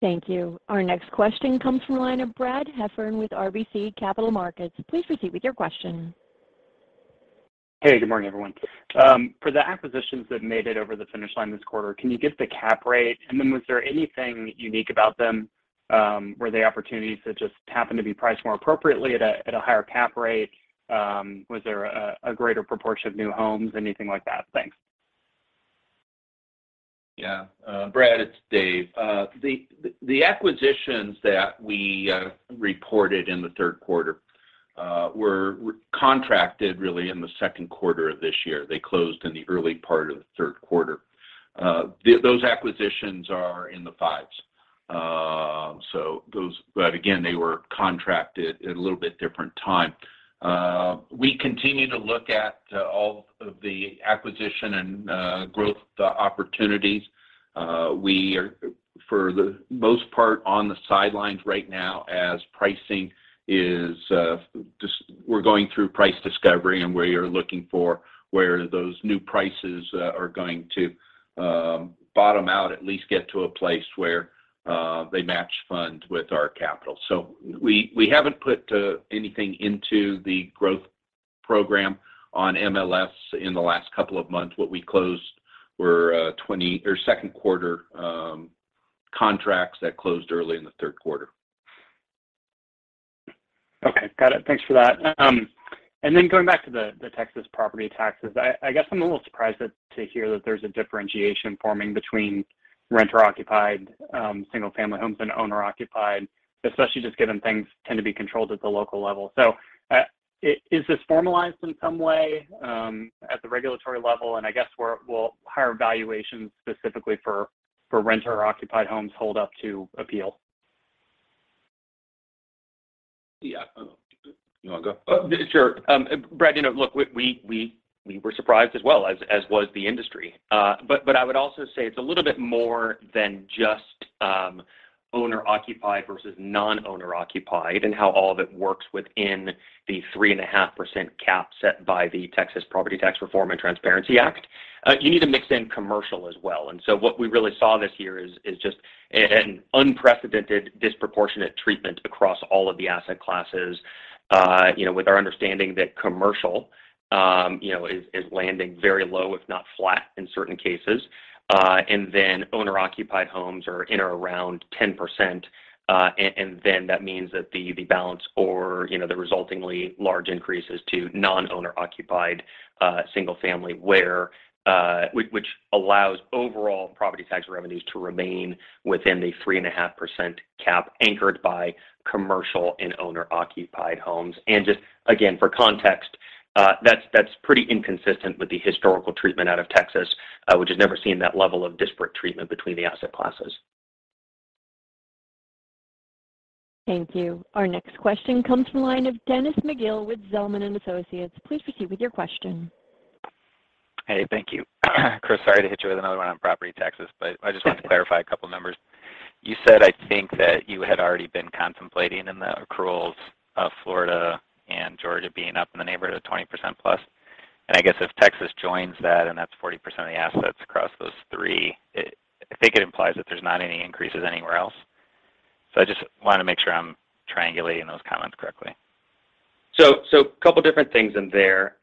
Thank you. Our next question comes from the line of Brad Heffern with RBC Capital Markets. Please proceed with your question. Hey, good morning, everyone. For the acquisitions that made it over the finish line this quarter, can you give the cap rate? Was there anything unique about them? Were they opportunities that just happened to be priced more appropriately at a higher cap rate? Was there a greater proportion of new homes? Anything like that? Thanks. Yeah. Brad, it's Dave. The acquisitions that we reported in the third quarter were contracted really in the second quarter of this year. They closed in the early part of the third quarter. Those acquisitions are in the fives. But again, they were contracted at a little bit different time. We continue to look at all of the acquisition and growth opportunities. We are for the most part on the sidelines right now as pricing is just we're going through price discovery, and we are looking for where those new prices are going to bottom out, at least get to a place where they match funds with our capital. We haven't put anything into the growth program on MLS in the last couple of months. What we closed were second quarter contracts that closed early in the third quarter. Okay. Got it. Thanks for that. Going back to the Texas property taxes. I guess I'm a little surprised to hear that there's a differentiation forming between renter-occupied single-family homes and owner-occupied, especially just given things tend to be controlled at the local level. Is this formalized in some way at the regulatory level? I guess where will higher valuations specifically for renter-occupied homes hold up to appeal? Yeah. You wanna go? Sure. Brad, you know, we were surprised as well, as was the industry. I would also say it's a little bit more than just owner-occupied versus non-owner-occupied and how all of it works within the 3.5% cap set by the Texas Property Tax Reform and Transparency Act. You need to mix in commercial as well. What we really saw this year is just an unprecedented disproportionate treatment across all of the asset classes, you know, with our understanding that commercial is landing very low, if not flat in certain cases. Owner-occupied homes are in or around 10%, and then that means that the balance or, you know, the resultingly large increases to non-owner-occupied single family which allows overall property tax revenues to remain within the 3.5% cap anchored by commercial and owner-occupied homes. Just again, for context, that's pretty inconsistent with the historical treatment out of Texas, which has never seen that level of disparate treatment between the asset classes. Thank you. Our next question comes from the line of Dennis McGill with Zelman & Associates. Please proceed with your question. Hey, thank you. Chris, sorry to hit you with another one on property taxes, but I just wanted to clarify a couple numbers. You said, I think, that you had already been contemplating in the accruals of Florida and Georgia being up in the neighborhood of 20% plus. I guess if Texas joins that and that's 40% of the assets across those three, it, I think it implies that there's not any increases anywhere else. I just want to make sure I'm triangulating those comments correctly. Couple different things in there.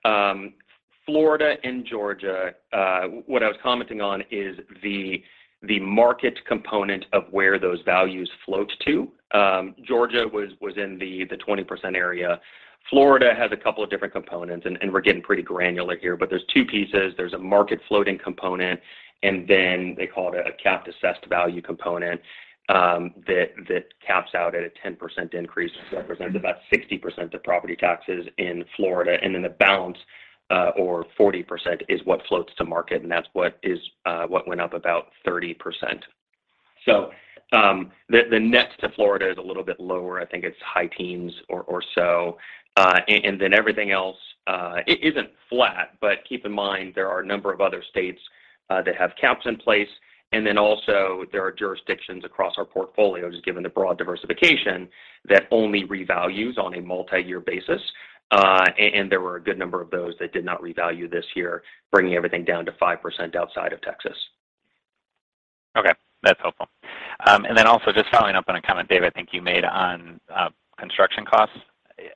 Florida and Georgia, what I was commenting on is the market component of where those values float to. Georgia was in the 20% area. Florida has a couple of different components and we're getting pretty granular here, but there's two pieces. There's a market floating component, and then they call it a capped assessed value component that caps out at a 10% increase, which represents about 60% of property taxes in Florida. The balance or 40% is what floats to market, and that's what went up about 30%. The net to Florida is a little bit lower. I think it's high teens or so. Everything else, it isn't flat, but keep in mind there are a number of other states that have caps in place. Also there are jurisdictions across our portfolios, given the broad diversification, that only revalues on a multi-year basis. There were a good number of those that did not revalue this year, bringing everything down to 5% outside of Texas. Okay, that's helpful. Also just following up on a comment, Dave, I think you made on construction costs.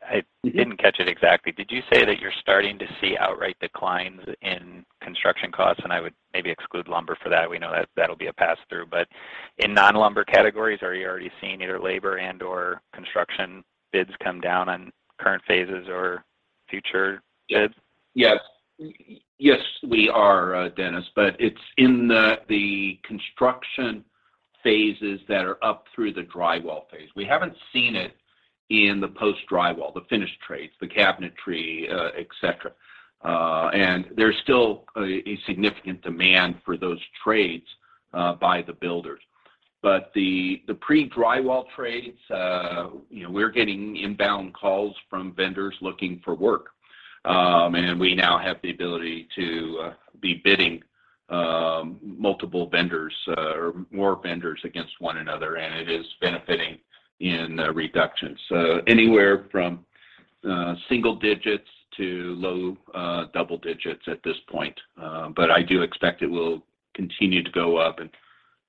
I didn't catch it exactly. Did you say that you're starting to see outright declines in construction costs? I would maybe exclude lumber for that. We know that that'll be a pass-through. In non-lumber categories, are you already seeing either labor and/or construction bids come down on current phases or future bids? Yes. Yes, we are, Dennis, but it's in the construction phases that are up through the drywall phase. We haven't seen it in the post drywall, the finished trades, the cabinetry, et cetera. There's still a significant demand for those trades by the builders. The pre-drywall trades, you know, we're getting inbound calls from vendors looking for work. We now have the ability to be bidding multiple vendors, or more vendors against one another, and it is benefiting in the reductions. Anywhere from single digits to low double digits at this point. I do expect it will continue to go up.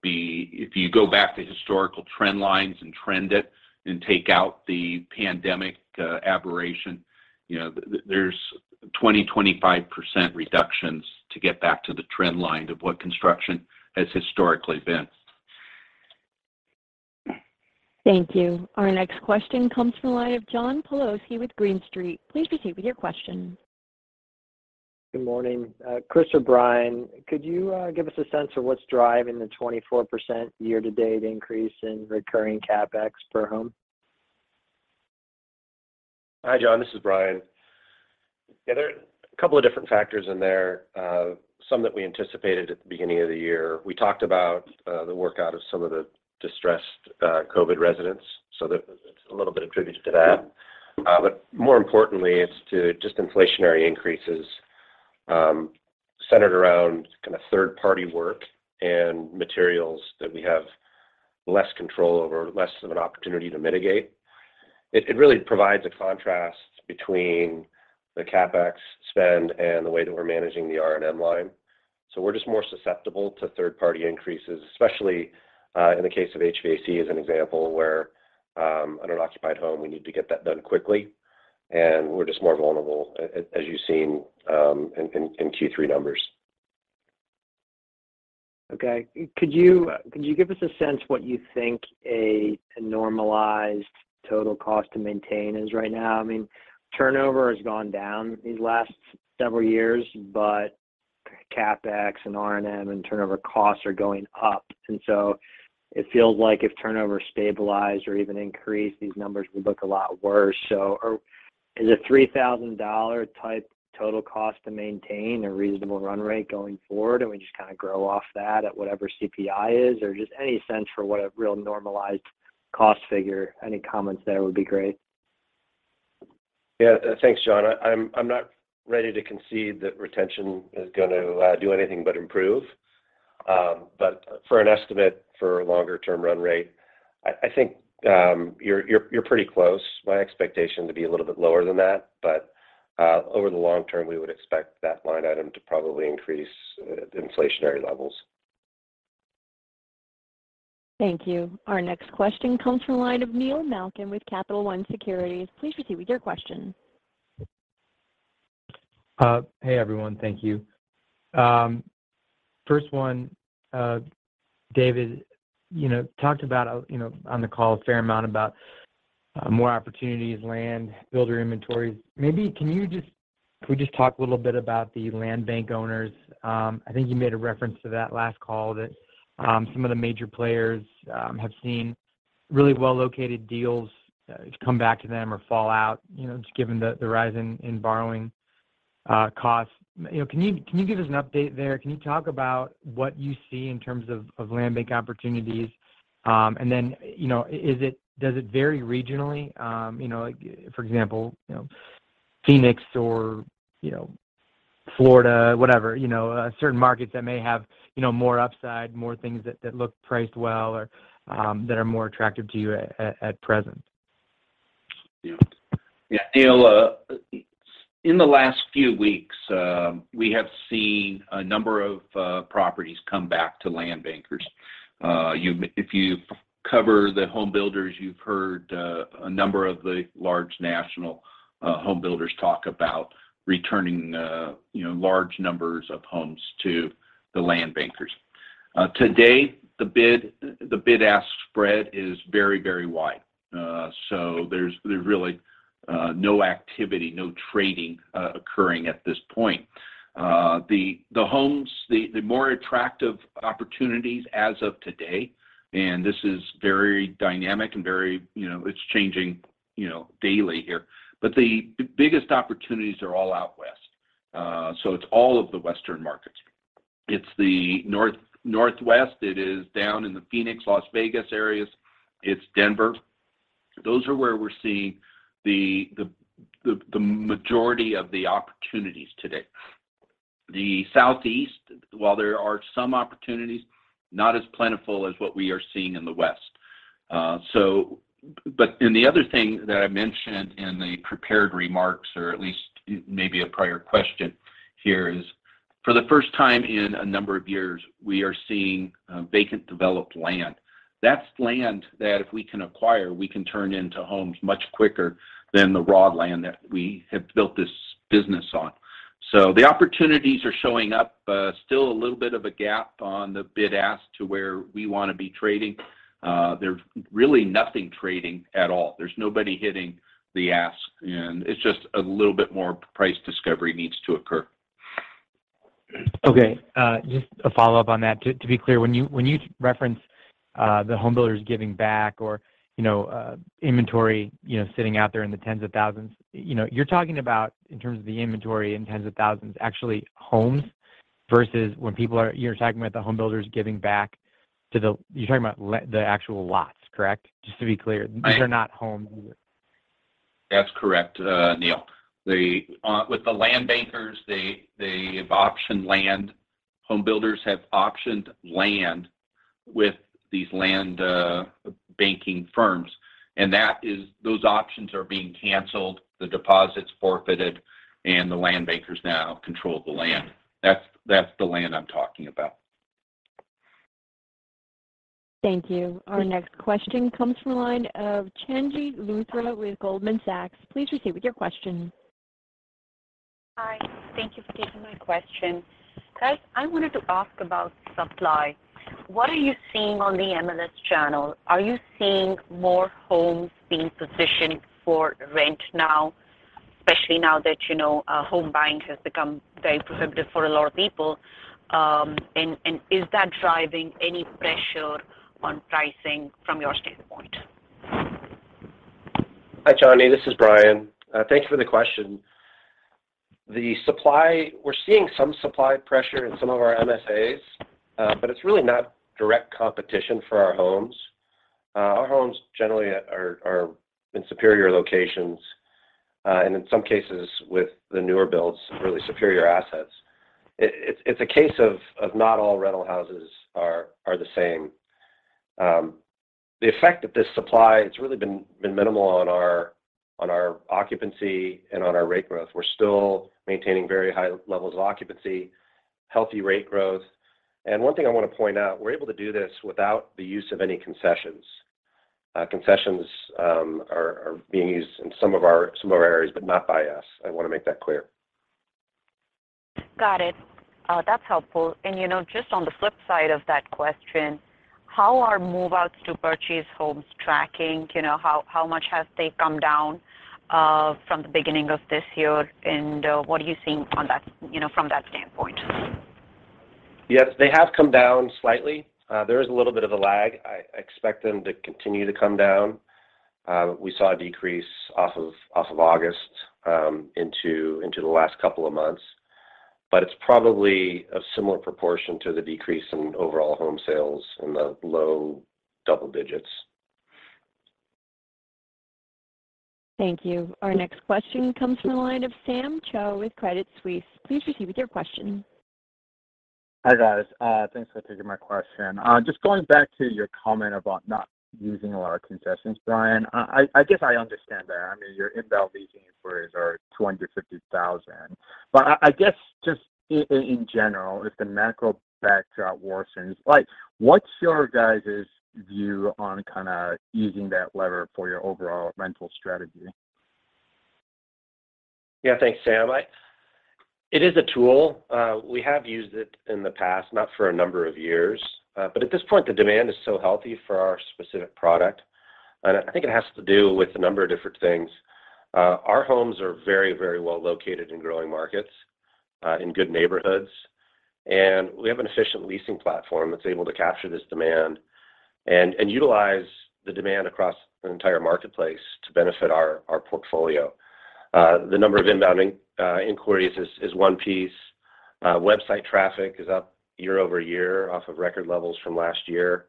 If you go back to historical trend lines and trend it and take out the pandemic aberration, you know, there's 20%-25% reductions to get back to the trend line of what construction has historically been. Thank you. Our next question comes from the line of John Pawlowski with Green Street. Please proceed with your question. Good morning. Chris or Bryan, could you give us a sense of what's driving the 24% year-to-date increase in recurring CapEx per home? Hi, John. This is Bryan. Yeah, there are a couple of different factors in there, some that we anticipated at the beginning of the year. We talked about the workout of some of the distressed COVID residents, so that it's a little bit attributed to that. More importantly, it's due to just inflationary increases, centered around kind of third-party work and materials that we have less control over, less of an opportunity to mitigate. It really provides a contrast between the CapEx spend and the way that we're managing the R&M line. We're just more susceptible to third-party increases, especially in the case of HVAC as an example, where on an occupied home, we need to get that done quickly, and we're just more vulnerable as you've seen in Q3 numbers. Okay. Could you give us a sense what you think a normalized total cost to maintain is right now? I mean, turnover has gone down these last several years, but CapEx and R&M and turnover costs are going up. It feels like if turnover stabilized or even increased, these numbers would look a lot worse. Is a $3,000 type total cost to maintain a reasonable run rate going forward, and we just kind of grow off that at whatever CPI is? Or just any sense for what a real normalized cost figure. Any comments there would be great. Yeah. Thanks, John. I'm not ready to concede that retention is gonna do anything but improve. For an estimate for longer term run rate, I think you're pretty close. My expectation to be a little bit lower than that. Over the long term, we would expect that line item to probably increase at inflationary levels. Thank you. Our next question comes from the line of Neil Malkin with Capital One Securities. Please proceed with your question. Hey, everyone. Thank you. First one, David, you know, talked about, you know, on the call a fair amount about more opportunities, land, builder inventories. Can we just talk a little bit about the land bank owners? I think you made a reference to that last call that some of the major players have seen really well-located deals come back to them or fall out, you know, just given the rise in borrowing costs. You know, can you give us an update there? Can you talk about what you see in terms of land bank opportunities? You know, does it vary regionally? You know, like for example, you know, Phoenix or, you know, Florida, whatever, you know, certain markets that may have, you know, more upside, more things that look priced well or that are more attractive to you at present. Yeah. Yeah. Neil, in the last few weeks, we have seen a number of properties come back to land bankers. If you cover the home builders, you've heard a number of the large national home builders talk about returning, you know, large numbers of homes to the land bankers. Today, the bid-ask spread is very, very wide. There's really no activity, no trading occurring at this point. The more attractive opportunities as of today, and this is very dynamic and very, you know, it's changing, you know, daily here. The biggest opportunities are all out west. It's all of the Western markets. It's the Northwest. It is down in the Phoenix, Las Vegas areas. It's Denver. Those are where we're seeing the majority of the opportunities today. The Southeast, while there are some opportunities, not as plentiful as what we are seeing in the West. The other thing that I mentioned in the prepared remarks, or at least maybe a prior question here, is for the first time in a number of years, we are seeing vacant developed land. That's land that if we can acquire, we can turn into homes much quicker than the raw land that we have built this business on. The opportunities are showing up. Still a little bit of a gap on the bid-ask to where we wanna be trading. There's really nothing trading at all. There's nobody hitting the ask, and it's just a little bit more price discovery needs to occur. Okay. Just a follow-up on that. To be clear, when you reference the home builders giving back or, you know, inventory, you know, sitting out there in the tens of thousands, you know, you're talking about in terms of the inventory in tens of thousands, actually homes versus the actual lots, correct? Just to be clear. Right. These are not homes. That's correct, Neil. With the land bankers, they have optioned land. Home builders have optioned land with these land banking firms, and that is those options are being canceled, the deposit's forfeited, and the land bankers now control the land. That's the land I'm talking about. Thank you. Our next question comes from the line of Chandni Luthra with Goldman Sachs. Please proceed with your question. Hi. Thank you for taking my question. Guys, I wanted to ask about supply. What are you seeing on the MLS channel? Are you seeing more homes being positioned for rent now? Especially now that, you know, home buying has become very prohibitive for a lot of people. Is that driving any pressure on pricing from your standpoint? Hi, Chandni Luthra. This is Bryan. Thank you for the question. The supply— we're seeing some supply pressure in some of our MSAs, but it's really not direct competition for our homes. Our homes generally are in superior locations, and in some cases with the newer builds, really superior assets. It's a case of not all rental houses are the same. The effect of this supply, it's really been minimal on our occupancy and on our rate growth. We're still maintaining very high levels of occupancy, healthy rate growth. One thing I wanna point out, we're able to do this without the use of any concessions. Concessions are being used in some of our areas, but not by us. I wanna make that clear. Got it. That's helpful. You know, just on the flip side of that question, how are move-outs to purchase homes tracking? You know, how much have they come down from the beginning of this year, and what are you seeing on that, you know, from that standpoint? Yes, they have come down slightly. There is a little bit of a lag. I expect them to continue to come down. We saw a decrease off of August into the last couple of months. It's probably a similar proportion to the decrease in overall home sales in the low double digits. Thank you. Our next question comes from the line of Sam Choe with Credit Suisse. Please proceed with your question. Hi, guys. Thanks for taking my question. Just going back to your comment about not using a lot of concessions, Bryan, I guess I understand that. I mean, your inbound leasing inquiries are 250,000. I guess just in general, if the macro backdrop worsens, like what's your guys' view on kinda using that lever for your overall rental strategy? Yeah. Thanks, Sam. It is a tool. We have used it in the past, not for a number of years. At this point, the demand is so healthy for our specific product, and I think it has to do with a number of different things. Our homes are very, very well located in growing markets, in good neighborhoods. We have an efficient leasing platform that's able to capture this demand and utilize the demand across an entire marketplace to benefit our portfolio. The number of inbound inquiries is one piece. Website traffic is up year-over-year off of record levels from last year.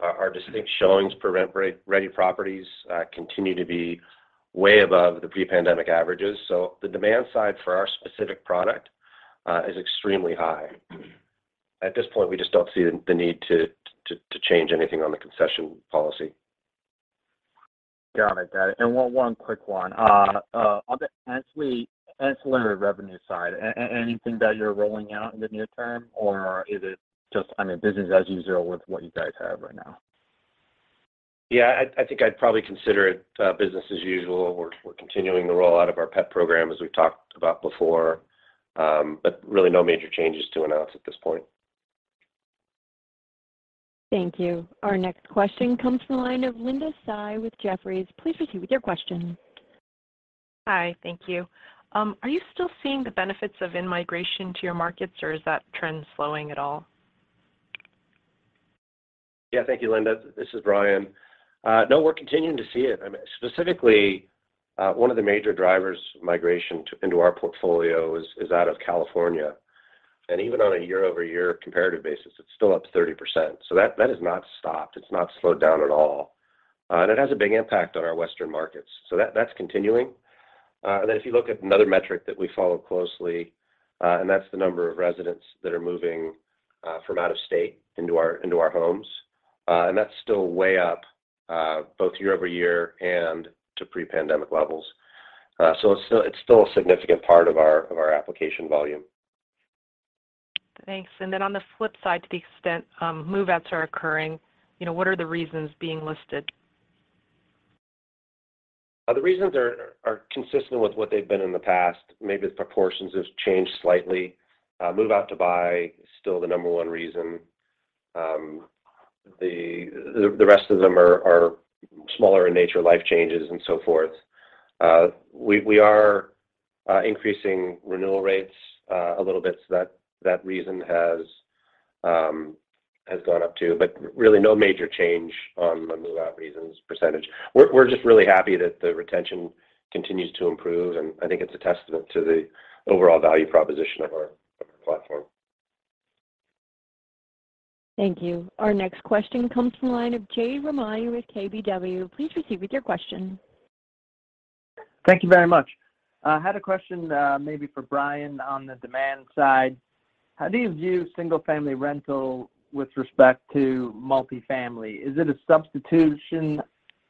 Our distinct showings for rent-ready properties continue to be way above the pre-pandemic averages. The demand side for our specific product is extremely high. At this point, we just don't see the need to change anything on the concession policy. Got it. One quick one on the ancillary revenue side, anything that you're rolling out in the near term, or is it just, I mean, business as usual with what you guys have right now? Yeah. I think I'd probably consider it business as usual. We're continuing the rollout of our pet program as we've talked about before. Really no major changes to announce at this point. Thank you. Our next question comes from the line of Linda Tsai with Jefferies. Please proceed with your question. Hi. Thank you. Are you still seeing the benefits of in-migration to your markets, or is that trend slowing at all? Yeah. Thank you, Linda. This is Bryan. No, we're continuing to see it. I mean, specifically, one of the major drivers of migration into our portfolio is out of California. Even on a year-over-year comparative basis, it's still up 30%. That has not stopped. It's not slowed down at all. It has a big impact on our western markets. That's continuing. Then if you look at another metric that we follow closely, that's the number of residents that are moving from out of state into our homes, and that's still way up, both year-over-year and to pre-pandemic levels. It's still a significant part of our application volume. Thanks. On the flip side, to the extent move-outs are occurring, you know, what are the reasons being listed? The reasons are consistent with what they've been in the past. Maybe the proportions have changed slightly. Move-out to buy is still the number one reason. The rest of them are smaller in nature, life changes and so forth. We are increasing renewal rates a little bit so that reason has gone up too, but really no major change on the move-out reasons percentage. We're just really happy that the retention continues to improve, and I think it's a testament to the overall value proposition of our platform. Thank you. Our next question comes from the line of Jade Rahmani with KBW. Please proceed with your question. Thank you very much. I had a question, maybe for Bryan on the demand side. How do you view single-family rental with respect to multifamily? Is it a substitution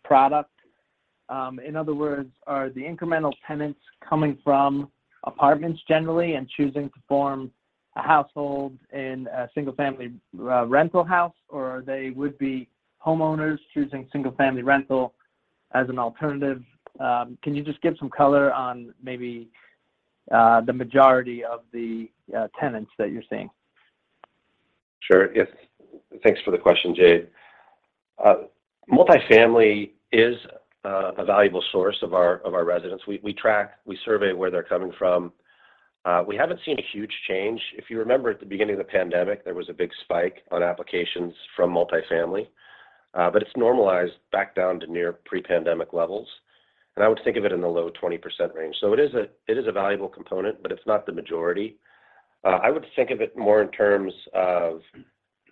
product? In other words, are the incremental tenants coming from apartments generally and choosing to form a household in a single-family rental house, or are they would-be homeowners choosing single-family rental as an alternative? Can you just give some color on maybe the majority of the tenants that you're seeing? Sure, yes. Thanks for the question, Jade. Multifamily is a valuable source of our residents. We track, we survey where they're coming from. We haven't seen a huge change. If you remember at the beginning of the pandemic, there was a big spike on applications from multifamily, but it's normalized back down to near pre-pandemic levels. I would think of it in the low 20% range. It is a valuable component, but it's not the majority. I would think of it more in terms of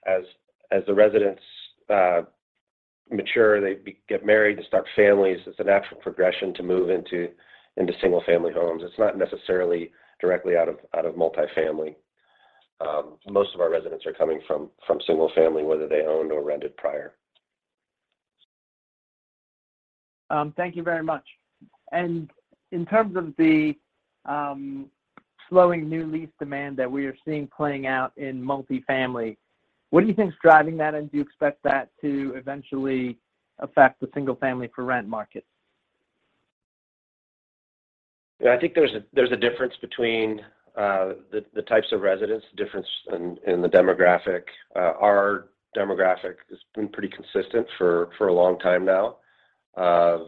as the residents mature, they get married and start families, it's a natural progression to move into single-family homes. It's not necessarily directly out of multifamily. Most of our residents are coming from single-family, whether they owned or rented prior. Thank you very much. In terms of the slowing new lease demand that we are seeing playing out in multifamily, what do you think is driving that, and do you expect that to eventually affect the single-family for rent market? Yeah. I think there's a difference between the types of residents, the difference in the demographic. Our demographic has been pretty consistent for a long time now of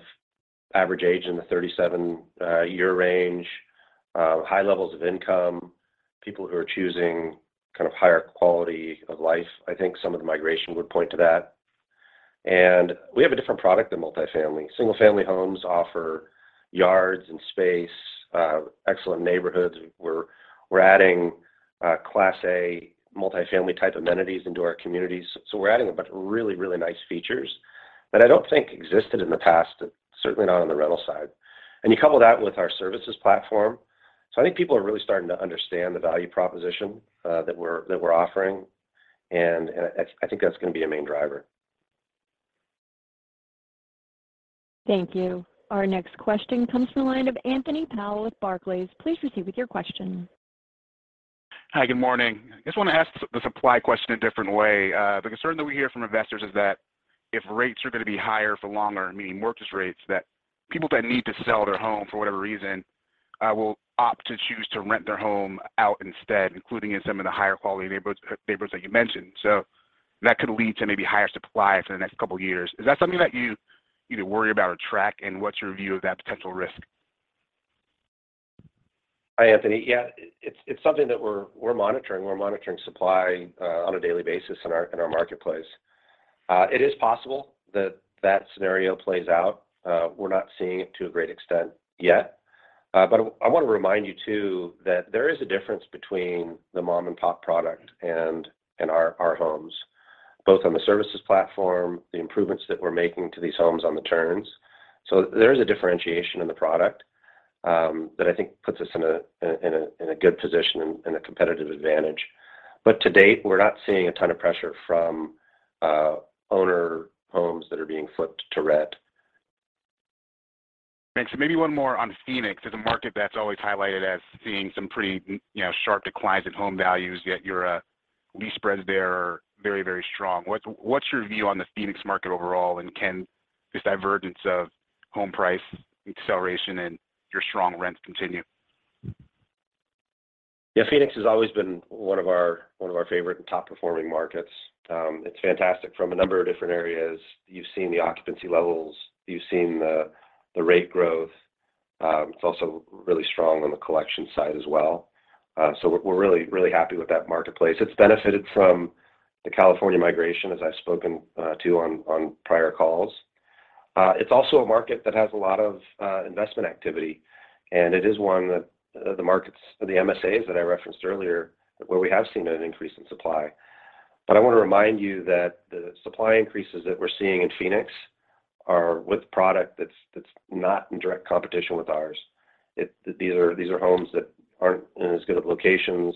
average age in the 37-year range, high levels of income, people who are choosing kind of higher quality of life. I think some of the migration would point to that. We have a different product than multifamily. Single-family homes offer yards and space, excellent neighborhoods. We're adding class A multifamily type amenities into our communities. We're adding a bunch of really nice features that I don't think existed in the past, certainly not on the rental side. You couple that with our services platform. I think people are really starting to understand the value proposition that we're offering, and I think that's gonna be a main driver. Thank you. Our next question comes from the line of Anthony Powell with Barclays. Please proceed with your question. Hi, good morning. I just wanna ask the supply question a different way. The concern that we hear from investors is that if rates are gonna be higher for longer, meaning mortgage rates, that people that need to sell their home for whatever reason, will opt to choose to rent their home out instead, including in some of the higher quality neighborhoods that you mentioned. That could lead to maybe higher supply for the next couple of years. Is that something that you either worry about or track, and what's your view of that potential risk? Hi, Anthony. Yeah. It's something that we're monitoring. We're monitoring supply on a daily basis in our marketplace. It is possible that scenario plays out. We're not seeing it to a great extent yet. I wanna remind you too that there is a difference between the mom and pop product and our homes, both on the services platform, the improvements that we're making to these homes on the turns. There is a differentiation in the product that I think puts us in a good position and a competitive advantage. To date, we're not seeing a ton of pressure from owner homes that are being flipped to rent. Thanks. Maybe one more on Phoenix. It's a market that's always highlighted as seeing some pretty sharp declines in home values, yet your lease spreads there are very, very strong. What's your view on the Phoenix market overall, and can this divergence of home price acceleration and your strong rents continue? Yeah. Phoenix has always been one of our favorite and top performing markets. It's fantastic from a number of different areas. You've seen the occupancy levels, you've seen the rate growth. It's also really strong on the collection side as well. We're really happy with that marketplace. It's benefited from the California migration, as I've spoken to on prior calls. It's also a market that has a lot of investment activity, and it is one of the MSAs that I referenced earlier, where we have seen an increase in supply. I wanna remind you that the supply increases that we're seeing in Phoenix are with product that's not in direct competition with ours. These are homes that aren't in as good of locations.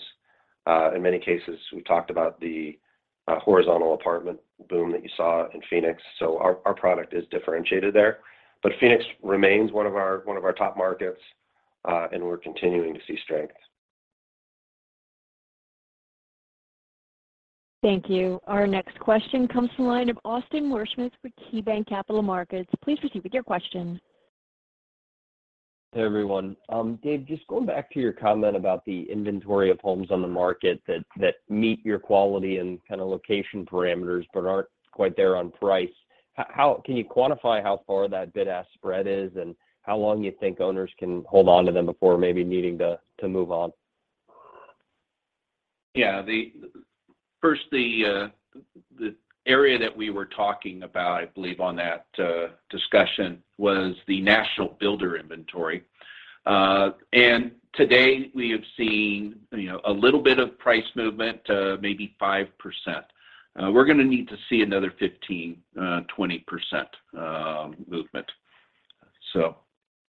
In many cases, we talked about the horizontal apartment boom that you saw in Phoenix. Our product is differentiated there. Phoenix remains one of our top markets, and we're continuing to see strength. Thank you. Our next question comes from the line of Austin Wurschmidt with KeyBanc Capital Markets. Please proceed with your question. Hey, everyone. Dave, just going back to your comment about the inventory of homes on the market that meet your quality and kinda location parameters but aren't quite there on price, how can you quantify how far that bid-ask spread is, and how long you think owners can hold onto them before maybe needing to move on? Yeah. First, the area that we were talking about, I believe, on that discussion was the national builder inventory. Today we have seen, you know, a little bit of price movement, maybe 5%. We're gonna need to see another 15%-20%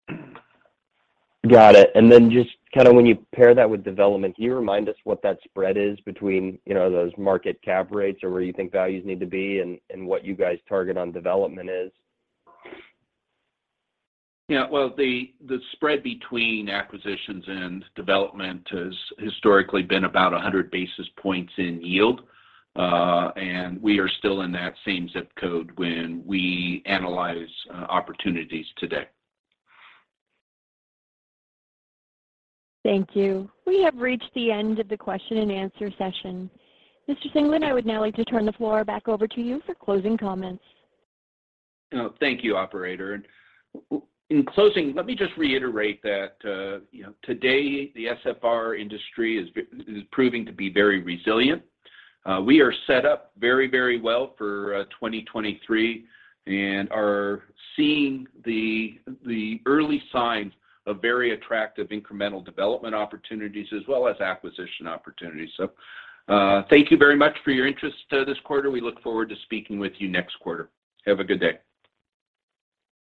movement. Got it. Just kinda when you pair that with development, can you remind us what that spread is between, you know, those market cap rates or where you think values need to be and what you guys target on development is? Well, the spread between acquisitions and development has historically been about 100 basis points in yield, and we are still in that same zip code when we analyze opportunities today. Thank you. We have reached the end of the question and answer session. Mr. Singelyn, I would now like to turn the floor back over to you for closing comments. Oh, thank you, operator. In closing, let me just reiterate that, you know, today the SFR industry is proving to be very resilient. We are set up very, very well for 2023 and are seeing the early signs of very attractive incremental development opportunities as well as acquisition opportunities. Thank you very much for your interest this quarter. We look forward to speaking with you next quarter. Have a good day.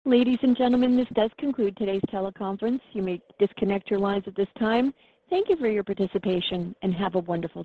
Ladies and gentlemen, this does conclude today's teleconference. You may disconnect your lines at this time. Thank you for your participation, and have a wonderful day.